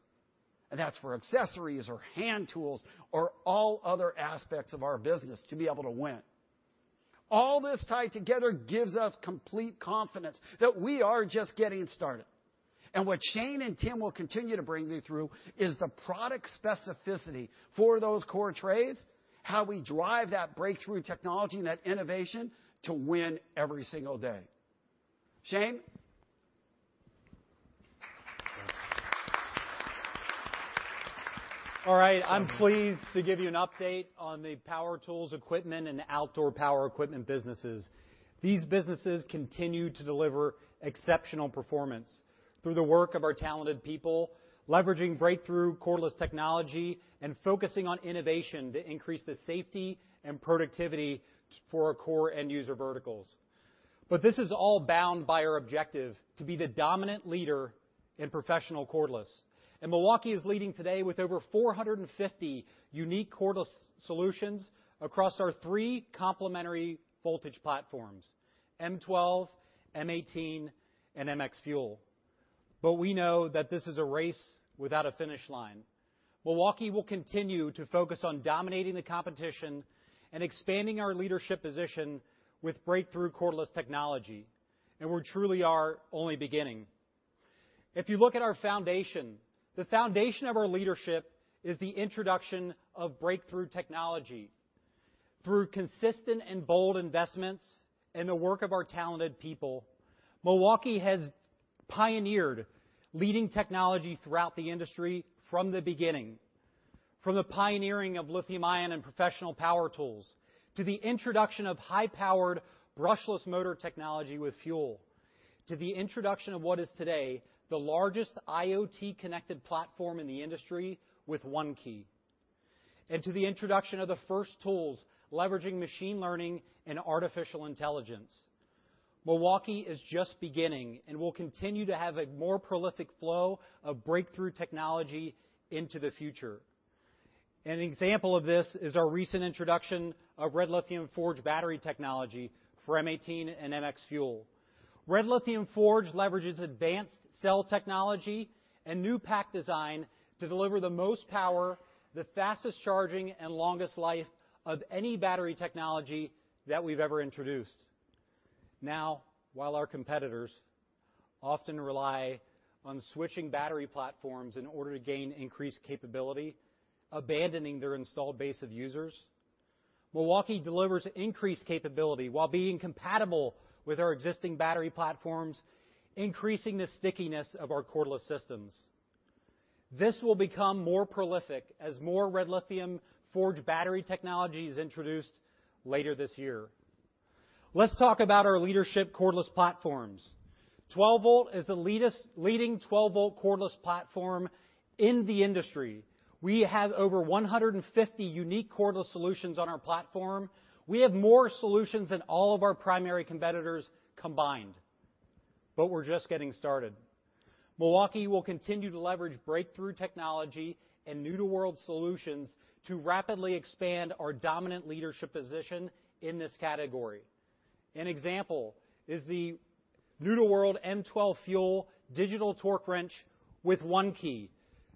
That's for accessories or hand tools or all other aspects of our business to be able to win. All this tied together gives us complete confidence that we are just getting started. What Shane and Tim will continue to bring you through is the product specificity for those core trades, how we drive that breakthrough technology and that innovation to win every single day. Shane? All right. I'm pleased to give you an update on the power tools, equipment, and outdoor power equipment businesses. These businesses continue to deliver exceptional performance through the work of our talented people, leveraging breakthrough cordless technology and focusing on innovation to increase the safety and productivity for our core end user verticals. But this is all bound by our objective to be the dominant leader in professional cordless. And Milwaukee is leading today with over 450 unique cordless solutions across our three complementary voltage platforms, M12, M18, and MX FUEL. But we know that this is a race without a finish line. Milwaukee will continue to focus on dominating the competition and expanding our leadership position with breakthrough cordless technology. And we truly are only beginning. If you look at our foundation, the foundation of our leadership is the introduction of breakthrough technology. Through consistent and bold investments and the work of our talented people, Milwaukee has pioneered leading technology throughout the industry from the beginning, from the pioneering of lithium-ion and professional power tools to the introduction of high-powered brushless motor technology with FUEL, to the introduction of what is today the largest IoT connected platform in the industry with ONE-KEY, and to the introduction of the first tools leveraging machine learning and artificial intelligence. Milwaukee is just beginning and will continue to have a more prolific flow of breakthrough technology into the future. An example of this is our recent introduction of REDLITHIUM FORGE battery technology for M18 and MX FUEL. REDLITHIUM FORGE leverages advanced cell technology and new pack design to deliver the most power, the fastest charging, and longest life of any battery technology that we've ever introduced. Now, while our competitors often rely on switching battery platforms in order to gain increased capability, abandoning their installed base of users, Milwaukee delivers increased capability while being compatible with our existing battery platforms, increasing the stickiness of our cordless systems. This will become more prolific as more REDLITHIUM FORGE battery technology is introduced later this year. Let's talk about our leadership cordless platforms. 12V is the leading 12V cordless platform in the industry. We have over 150 unique cordless solutions on our platform. We have more solutions than all of our primary competitors combined. But we're just getting started. Milwaukee will continue to leverage breakthrough technology and new-to-world solutions to rapidly expand our dominant leadership position in this category. An example is the new-to-world M12 FUEL digital torque wrench with ONE-KEY.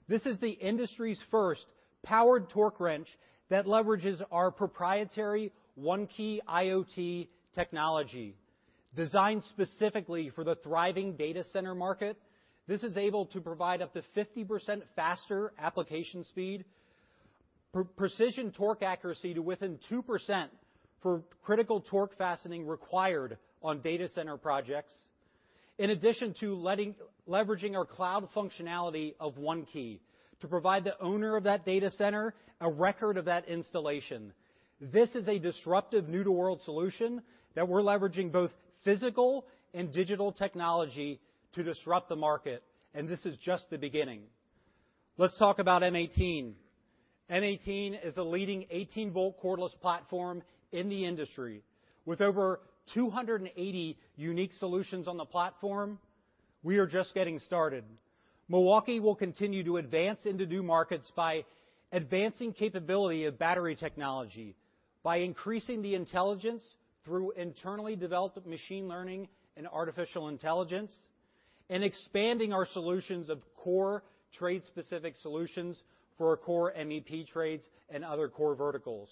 This is the industry's first powered torque wrench that leverages our proprietary ONE-KEY IoT technology. Designed specifically for the thriving data center market, this is able to provide up to 50% faster application speed, precision torque accuracy to within 2% for critical torque fastening required on data center projects, in addition to leveraging our cloud functionality of ONE-KEY to provide the owner of that data center a record of that installation. This is a disruptive new-to-world solution that we're leveraging both physical and digital technology to disrupt the market. This is just the beginning. Let's talk about M18. M18 is the leading 18V cordless platform in the industry. With over 280 unique solutions on the platform, we are just getting started. Milwaukee will continue to advance into new markets by advancing capability of battery technology, by increasing the intelligence through internally developed machine learning and artificial intelligence, and expanding our solutions of core trade-specific solutions for our core MEP trades and other core verticals.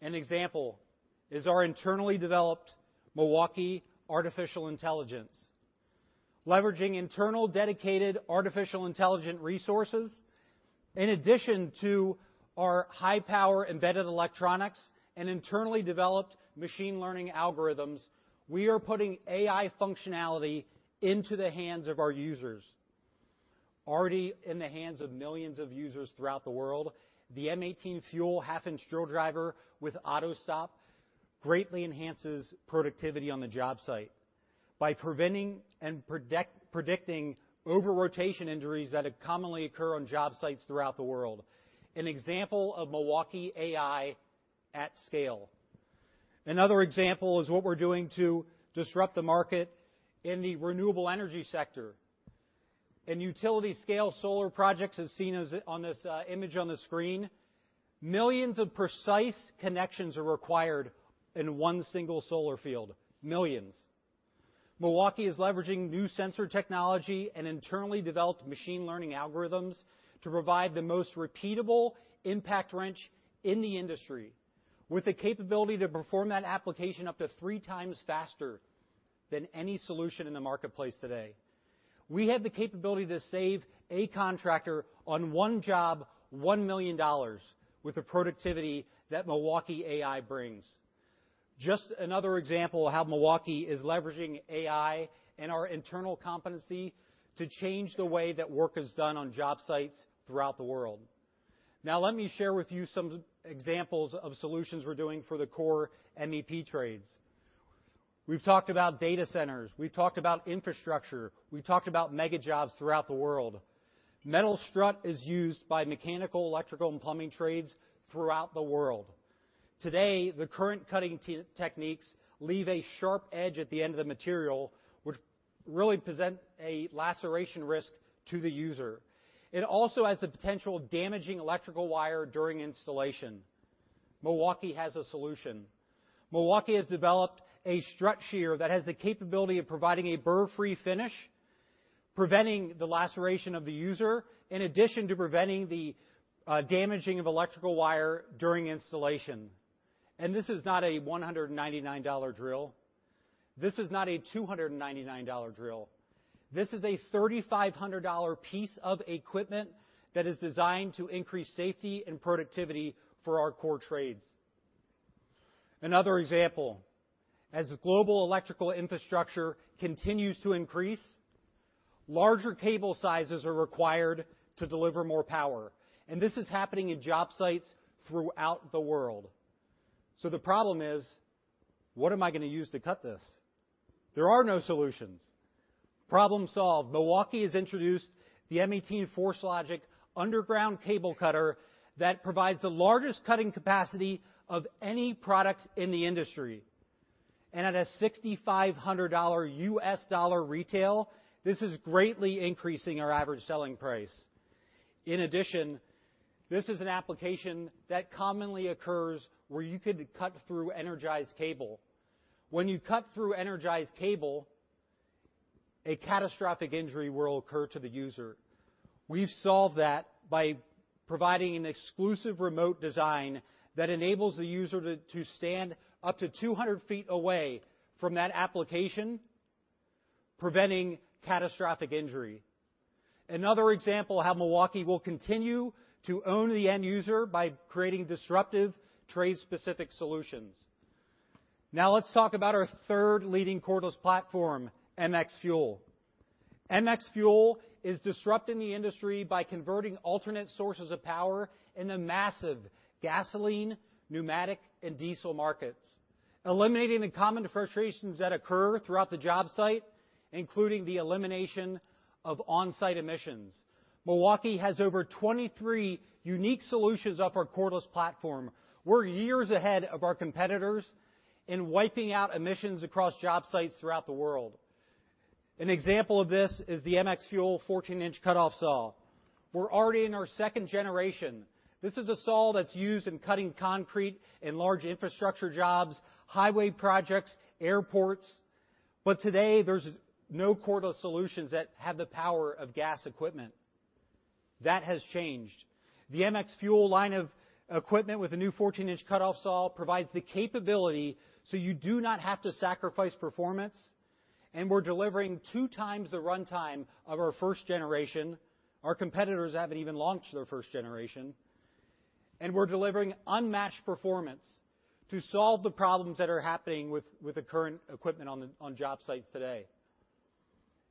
An example is our internally developed Milwaukee Artificial Intelligence. Leveraging internal dedicated Artificial Intelligence resources, in addition to our high-power embedded electronics and internally developed machine learning algorithms, we are putting AI functionality into the hands of our users. Already in the hands of millions of users throughout the world, the M18 FUEL half-inch drill driver with AUTOSTOP greatly enhances productivity on the job site by preventing and predicting over-rotation injuries that commonly occur on job sites throughout the world. An example of Milwaukee AI at scale. Another example is what we're doing to disrupt the market in the renewable energy sector. In utility-scale solar projects, as seen on this image on the screen, millions of precise connections are required in one single solar field. Millions. Milwaukee is leveraging new sensor technology and internally developed machine learning algorithms to provide the most repeatable impact wrench in the industry with the capability to perform that application up to three times faster than any solution in the marketplace today. We have the capability to save a contractor on one job $1 million with the productivity that Milwaukee AI brings. Just another example of how Milwaukee is leveraging AI and our internal competency to change the way that work is done on job sites throughout the world. Now, let me share with you some examples of solutions we're doing for the core MEP trades. We've talked about data centers. We've talked about infrastructure. We've talked about mega jobs throughout the world. Metal strut is used by mechanical, electrical, and plumbing trades throughout the world. Today, the current cutting techniques leave a sharp edge at the end of the material, which really presents a laceration risk to the user. It also has the potential of damaging electrical wire during installation. Milwaukee has a solution. Milwaukee has developed a Strut Shear that has the capability of providing a burr-free finish, preventing the laceration of the user, in addition to preventing the damaging of electrical wire during installation. This is not a $199 drill. This is not a $299 drill. This is a $3,500 piece of equipment that is designed to increase safety and productivity for our core trades. Another example, as global electrical infrastructure continues to increase, larger cable sizes are required to deliver more power. This is happening in job sites throughout the world. The problem is, what am I going to use to cut this? There are no solutions. Problem solved. Milwaukee has introduced the M18 FORCE LOGIC underground cable cutter that provides the largest cutting capacity of any product in the industry. And at a $6,500 retail, this is greatly increasing our average selling price. In addition, this is an application that commonly occurs where you could cut through energized cable. When you cut through energized cable, a catastrophic injury will occur to the user. We've solved that by providing an exclusive remote design that enables the user to stand up to 200 feet away from that application, preventing catastrophic injury. Another example of how Milwaukee will continue to own the end user by creating disruptive trade-specific solutions. Now, let's talk about our third leading cordless platform, MX FUEL. MX FUEL is disrupting the industry by converting alternate sources of power in the massive gasoline, pneumatic, and diesel markets, eliminating the common frustrations that occur throughout the job site, including the elimination of on-site emissions. Milwaukee has over 23 unique solutions off our cordless platform. We're years ahead of our competitors in wiping out emissions across job sites throughout the world. An example of this is the MX FUEL 14-inch cutoff saw. We're already in our second generation. This is a saw that's used in cutting concrete and large infrastructure jobs, highway projects, airports. But today, there's no cordless solutions that have the power of gas equipment. That has changed. The MX FUEL line of equipment with the new 14-inch cutoff saw provides the capability so you do not have to sacrifice performance. We're delivering two times the runtime of our first generation. Our competitors haven't even launched their first generation. We're delivering unmatched performance to solve the problems that are happening with the current equipment on job sites today.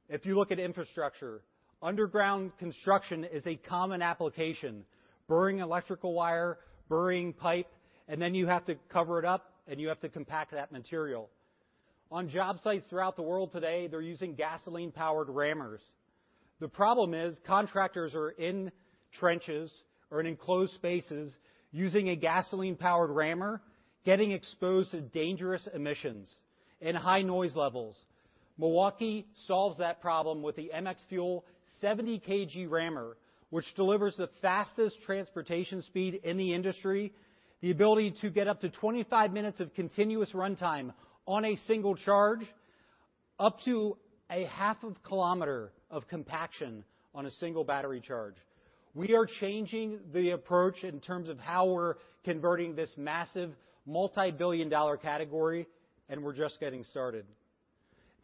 If you look at infrastructure, underground construction is a common application: burying electrical wire, burying pipe, and then you have to cover it up and you have to compact that material. On job sites throughout the world today, they're using gasoline-powered rammers. The problem is contractors are in trenches or in enclosed spaces using a gasoline-powered rammer, getting exposed to dangerous emissions and high noise levels. Milwaukee solves that problem with the MX FUEL 70 kg rammer, which delivers the fastest transportation speed in the industry, the ability to get up to 25 minutes of continuous runtime on a single charge, up to a half a kilometer of compaction on a single battery charge. We are changing the approach in terms of how we're converting this massive multi-billion dollar category, and we're just getting started.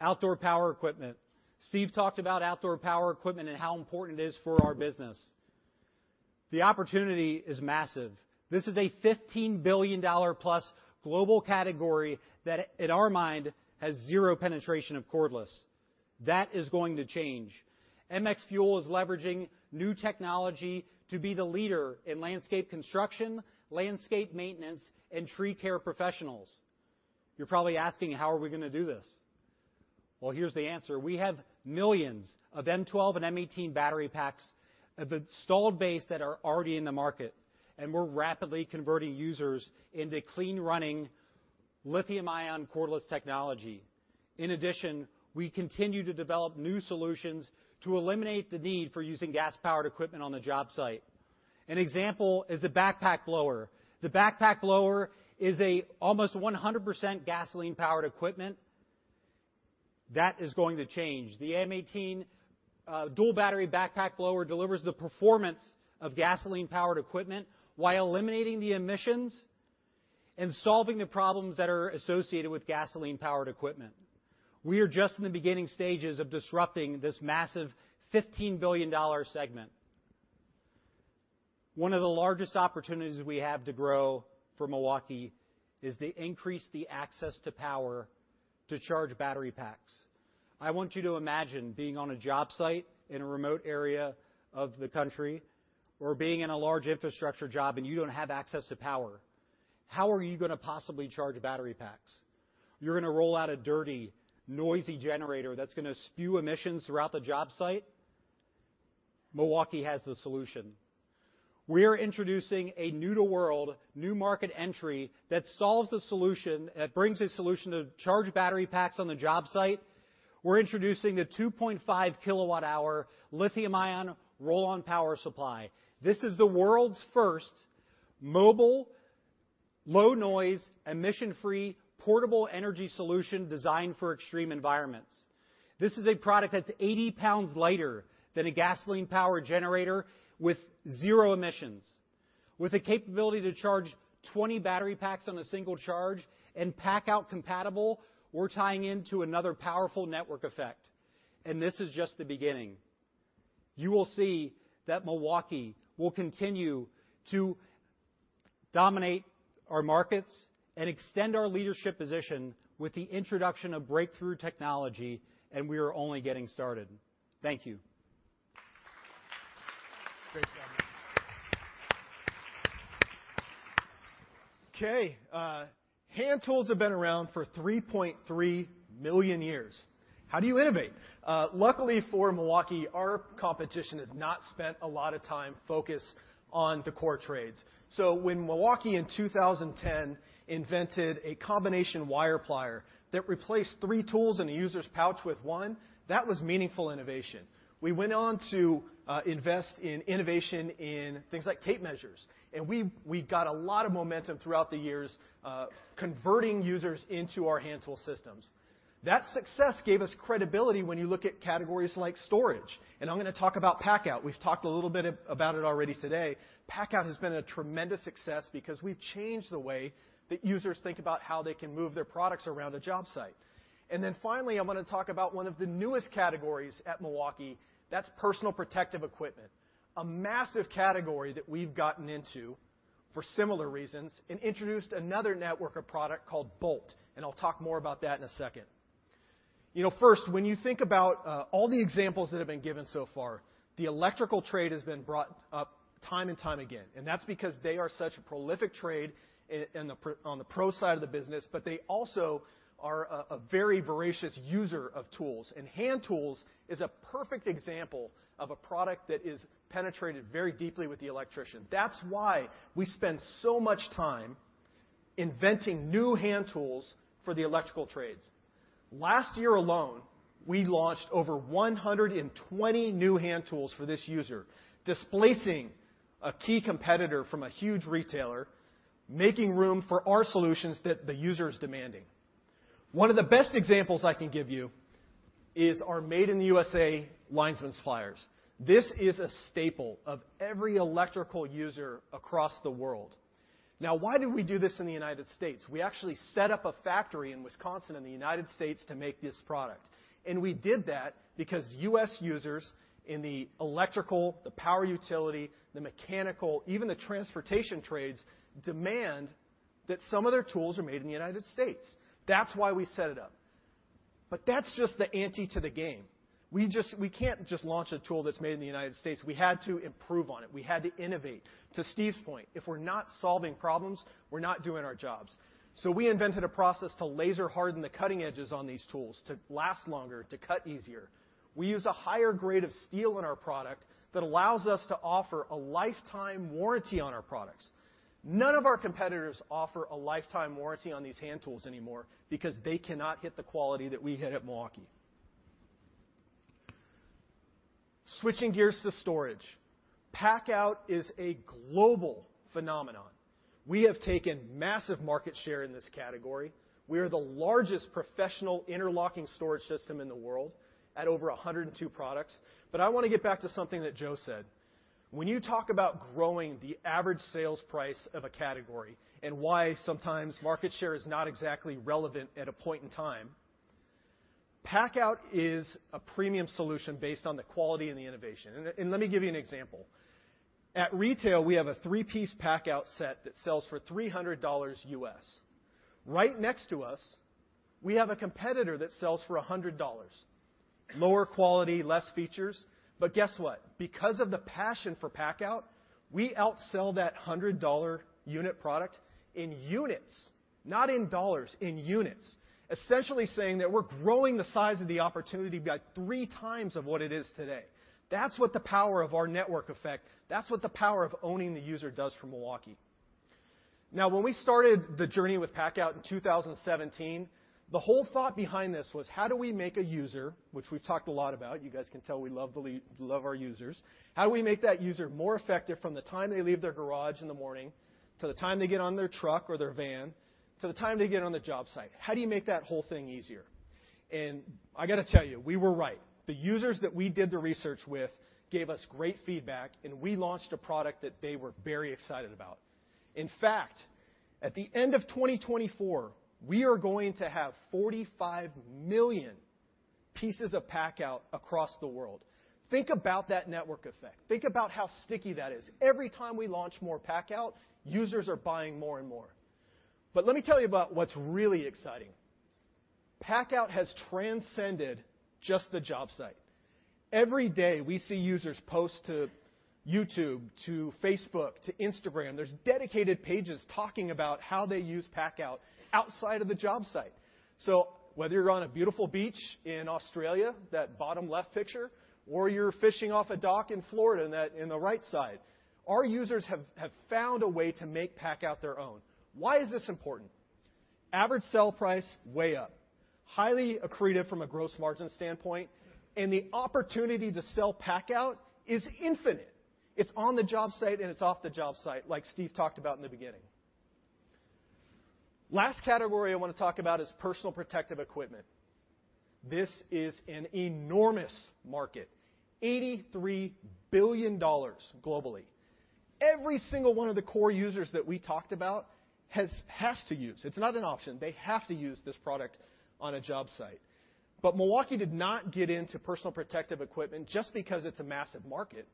Outdoor power equipment. Steve talked about outdoor power equipment and how important it is for our business. The opportunity is massive. This is a $15 billion+ global category that, in our mind, has zero penetration of cordless. That is going to change. MX FUEL is leveraging new technology to be the leader in landscape construction, landscape maintenance, and tree care professionals. You're probably asking, how are we going to do this? Well, here's the answer. We have millions of M12 and M18 battery packs at the installed base that are already in the market. We're rapidly converting users into clean-running lithium-ion cordless technology. In addition, we continue to develop new solutions to eliminate the need for using gas-powered equipment on the job site. An example is the backpack blower. The backpack blower is almost 100% gasoline-powered equipment. That is going to change. The M18 dual battery backpack blower delivers the performance of gasoline-powered equipment while eliminating the emissions and solving the problems that are associated with gasoline-powered equipment. We are just in the beginning stages of disrupting this massive $15 billion segment. One of the largest opportunities we have to grow for Milwaukee is to increase the access to power to charge battery packs. I want you to imagine being on a job site in a remote area of the country or being in a large infrastructure job and you don't have access to power. How are you going to possibly charge battery packs? You're going to roll out a dirty, noisy generator that's going to spew emissions throughout the job site? Milwaukee has the solution. We are introducing a new-to-world, new market entry that solves the solution that brings a solution to charge battery packs on the job site. We're introducing the 2.5 kWh lithium-ion ROLL-ON power supply. This is the world's first mobile, low-noise, emission-free portable energy solution designed for extreme environments. This is a product that's 80 lbs lighter than a gasoline-powered generator with zero emissions. With the capability to charge 20 battery packs on a single charge and PACKOUT compatible, we're tying into another powerful network effect. And this is just the beginning. You will see that Milwaukee will continue to dominate our markets and extend our leadership position with the introduction of breakthrough technology, and we are only getting started. Thank you. Great job. Okay. Hand tools have been around for 3.3 million years. How do you innovate? Luckily for Milwaukee, our competition has not spent a lot of time focused on the core trades. So when Milwaukee in 2010 invented a combination wire plier that replaced three tools in a user's pouch with one, that was meaningful innovation. We went on to invest in innovation in things like tape measures. And we got a lot of momentum throughout the years converting users into our hand tool systems. That success gave us credibility when you look at categories like storage. And I'm going to talk about PACKOUT. We've talked a little bit about it already today. PACKOUT has been a tremendous success because we've changed the way that users think about how they can move their products around a job site. Then finally, I want to talk about one of the newest categories at Milwaukee. That's personal protective equipment. A massive category that we've gotten into for similar reasons and introduced another network of products called BOLT. I'll talk more about that in a second. First, when you think about all the examples that have been given so far, the electrical trade has been brought up time and time again. That's because they are such a prolific trade on the pro side of the business, but they also are a very voracious user of tools. Hand tools is a perfect example of a product that is penetrated very deeply with the electrician. That's why we spend so much time inventing new hand tools for the electrical trades. Last year alone, we launched over 120 new hand tools for this user, displacing a key competitor from a huge retailer, making room for our solutions that the user is demanding. One of the best examples I can give you is our Made in the USA lineman's pliers. This is a staple of every electrical user across the world. Now, why did we do this in the United States? We actually set up a factory in Wisconsin in the United States to make this product. And we did that because U.S. users in the electrical, the power utility, the mechanical, even the transportation trades demand that some of their tools are made in the United States. That's why we set it up. But that's just the ante to the game. We can't just launch a tool that's made in the United States. We had to improve on it. We had to innovate. To Steve's point, if we're not solving problems, we're not doing our jobs. So we invented a process to laser-harden the cutting edges on these tools to last longer, to cut easier. We use a higher grade of steel in our product that allows us to offer a lifetime warranty on our products. None of our competitors offer a lifetime warranty on these hand tools anymore because they cannot hit the quality that we hit at Milwaukee. Switching gears to storage. PACKOUT is a global phenomenon. We have taken massive market share in this category. We are the largest professional interlocking storage system in the world at over 102 products. But I want to get back to something that Joe said. When you talk about growing the average sales price of a category and why sometimes market share is not exactly relevant at a point in time, PACKOUT is a premium solution based on the quality and the innovation. And let me give you an example. At retail, we have a three-piece PACKOUT set that sells for $300. Right next to us, we have a competitor that sells for $100. Lower quality, less features. But guess what? Because of the passion for PACKOUT, we outsell that $100 unit product in units, not in dollars, in units, essentially saying that we're growing the size of the opportunity by three times of what it is today. That's what the power of our network effect, that's what the power of owning the user does for Milwaukee. Now, when we started the journey with PACKOUT in 2017, the whole thought behind this was, how do we make a user, which we've talked a lot about, you guys can tell we love our users, how do we make that user more effective from the time they leave their garage in the morning to the time they get on their truck or their van to the time they get on the job site? How do you make that whole thing easier? And I got to tell you, we were right. The users that we did the research with gave us great feedback, and we launched a product that they were very excited about. In fact, at the end of 2024, we are going to have 45 million pieces of PACKOUT across the world. Think about that network effect. Think about how sticky that is. Every time we launch more PACKOUT, users are buying more and more. But let me tell you about what's really exciting. PACKOUT has transcended just the job site. Every day, we see users post to YouTube, to Facebook, to Instagram. There's dedicated pages talking about how they use PACKOUT outside of the job site. So whether you're on a beautiful beach in Australia, that bottom left picture, or you're fishing off a dock in Florida, in the right side, our users have found a way to make PACKOUT their own. Why is this important? Average sell price way up, highly accretive from a gross margin standpoint, and the opportunity to sell PACKOUT is infinite. It's on the job site, and it's off the job site, like Steve talked about in the beginning. Last category I want to talk about is personal protective equipment. This is an enormous market, $83 billion globally. Every single one of the core users that we talked about has to use. It's not an option. They have to use this product on a job site. But Milwaukee did not get into personal protective equipment just because it's a massive market.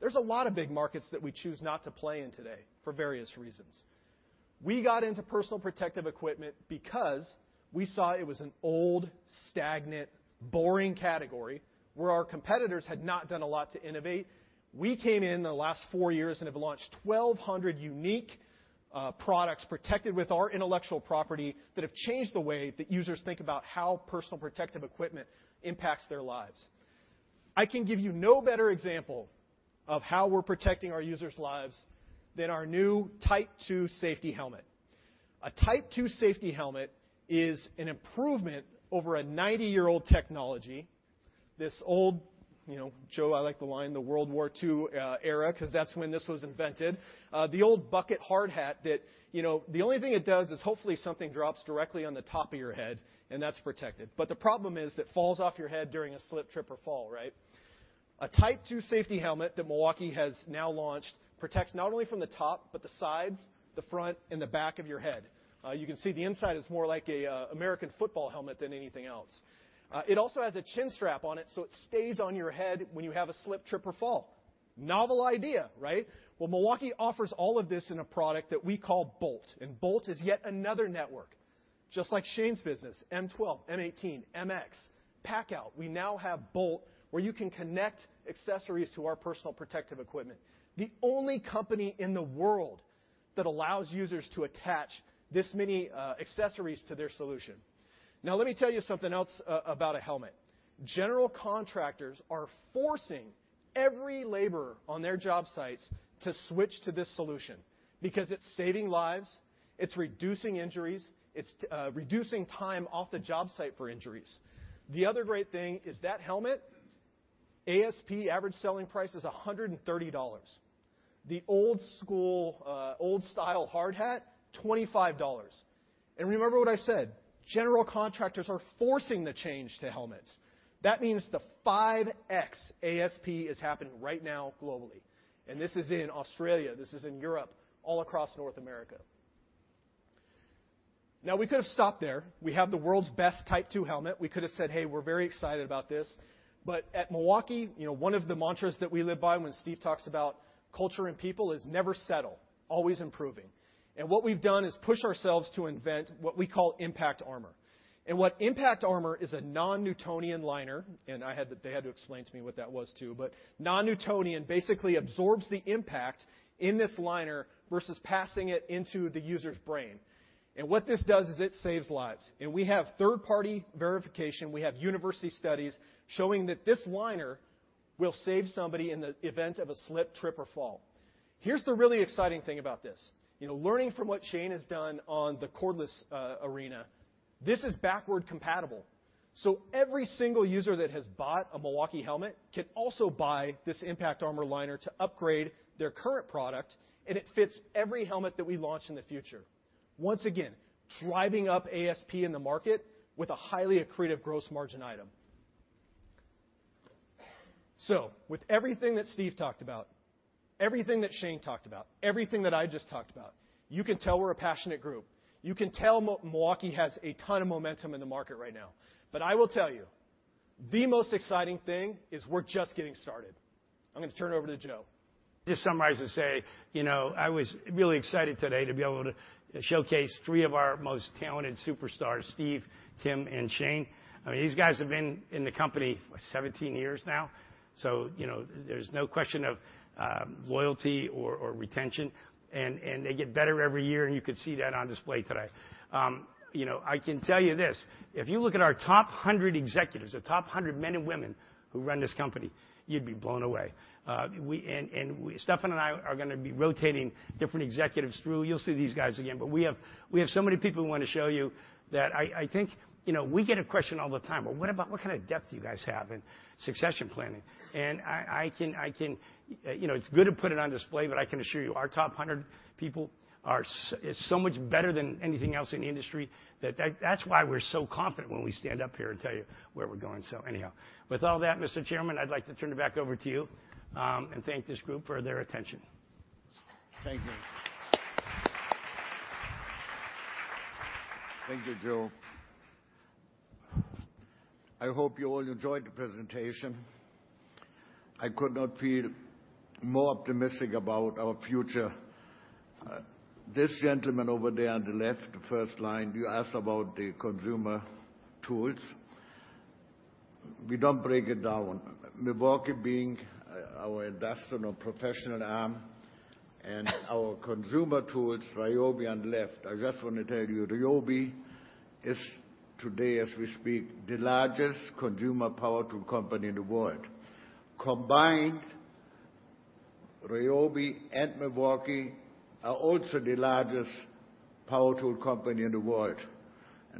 There's a lot of big markets that we choose not to play in today for various reasons. We got into personal protective equipment because we saw it was an old, stagnant, boring category where our competitors had not done a lot to innovate. We came in the last four years and have launched 1,200 unique products protected with our intellectual property that have changed the way that users think about how personal protective equipment impacts their lives. I can give you no better example of how we're protecting our users' lives than our new Type 2 safety helmet. A Type 2 safety helmet is an improvement over a 90-year-old technology. This old Joe, I like the line, the World War II era because that's when this was invented, the old bucket hard hat that the only thing it does is hopefully something drops directly on the top of your head, and that's protected. But the problem is it falls off your head during a slip, trip, or fall, right? A Type 2 safety helmet that Milwaukee has now launched protects not only from the top but the sides, the front, and the back of your head. You can see the inside is more like an American football helmet than anything else. It also has a chin strap on it, so it stays on your head when you have a slip, trip, or fall. Novel idea, right? Well, Milwaukee offers all of this in a product that we call BOLT. And BOLT is yet another network. Just like Shane's business, M12, M18, MX, PACKOUT, we now have BOLT where you can connect accessories to our personal protective equipment. The only company in the world that allows users to attach this many accessories to their solution. Now, let me tell you something else about a helmet. General contractors are forcing every laborer on their job sites to switch to this solution because it's saving lives, it's reducing injuries, it's reducing time off the job site for injuries. The other great thing is that helmet, ASP, average selling price is $130. The old-school, old-style hard hat, $25. And remember what I said. General contractors are forcing the change to helmets. That means the 5X ASP is happening right now globally. And this is in Australia. This is in Europe, all across North America. Now, we could have stopped there. We have the world's best Type 2 helmet. We could have said, "Hey, we're very excited about this." But at Milwaukee, one of the mantras that we live by when Steve talks about culture and people is never settle, always improving. And what we've done is push ourselves to invent what we call IMPACT ARMOR. And what IMPACT ARMOR is a Non-Newtonian liner, and they had to explain to me what that was too. But Non-Newtonian basically absorbs the impact in this liner versus passing it into the user's brain. And what this does is it saves lives. And we have third-party verification. We have university studies showing that this liner will save somebody in the event of a slip, trip, or fall. Here's the really exciting thing about this. Learning from what Shane has done on the Cordless Arena, this is backward compatible. So every single user that has bought a Milwaukee helmet can also buy this IMPACT ARMOR liner to upgrade their current product, and it fits every helmet that we launch in the future. Once again, driving up ASP in the market with a highly accretive gross margin item. So with everything that Steve talked about, everything that Shane talked about, everything that I just talked about, you can tell we're a passionate group. You can tell Milwaukee has a ton of momentum in the market right now. But I will tell you, the most exciting thing is we're just getting started. I'm going to turn it over to Joe. Just summarize and say, I was really excited today to be able to showcase three of our most talented superstars, Steve, Tim, and Shane. I mean, these guys have been in the company 17 years now. So there's no question of loyalty or retention. And they get better every year, and you could see that on display today. I can tell you this. If you look at our top 100 executives, the top 100 men and women who run this company, you'd be blown away. And Stephan and I are going to be rotating different executives through. You'll see these guys again. But we have so many people we want to show you that I think we get a question all the time, "Well, what kind of depth do you guys have in succession planning?" And I can assure you it's good to put it on display, but I can assure you, our top 100 people are so much better than anything else in the industry that that's why we're so confident when we stand up here and tell you where we're going. So anyhow, with all that, Mr. Chairman, I'd like to turn it back over to you and thank this group for their attention. Thank you. Thank you, Joe. I hope you all enjoyed the presentation. I could not feel more optimistic about our future. This gentleman over there on the left, the first line, you asked about the consumer tools. We don't break it down. Milwaukee being our industrial and professional arm, and our consumer tools, Ryobi on the left, I just want to tell you, Ryobi is today, as we speak, the largest consumer power tool company in the world. Combined, Ryobi and Milwaukee are also the largest power tool company in the world.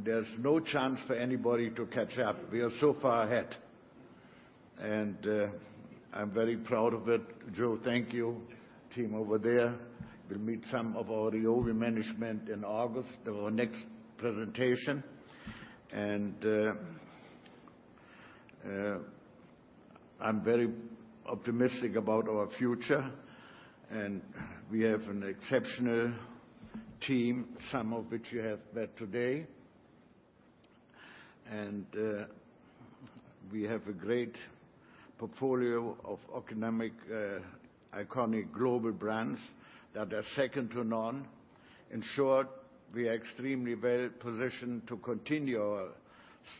There's no chance for anybody to catch up. We are so far ahead. I'm very proud of it. Joe, thank you. Team over there, you'll meet some of our Ryobi management in August at our next presentation. I'm very optimistic about our future. We have an exceptional team, some of which you have met today. We have a great portfolio of iconic global brands that are second to none. In short, we are extremely well positioned to continue our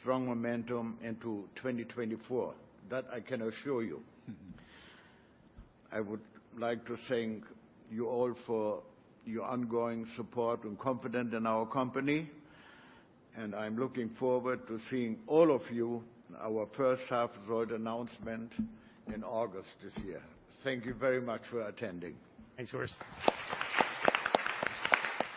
strong momentum into 2024. That I can assure you. I would like to thank you all for your ongoing support and confidence in our company. I'm looking forward to seeing all of you in our first half result announcement in August this year. Thank you very much for attending. Thanks, Horst.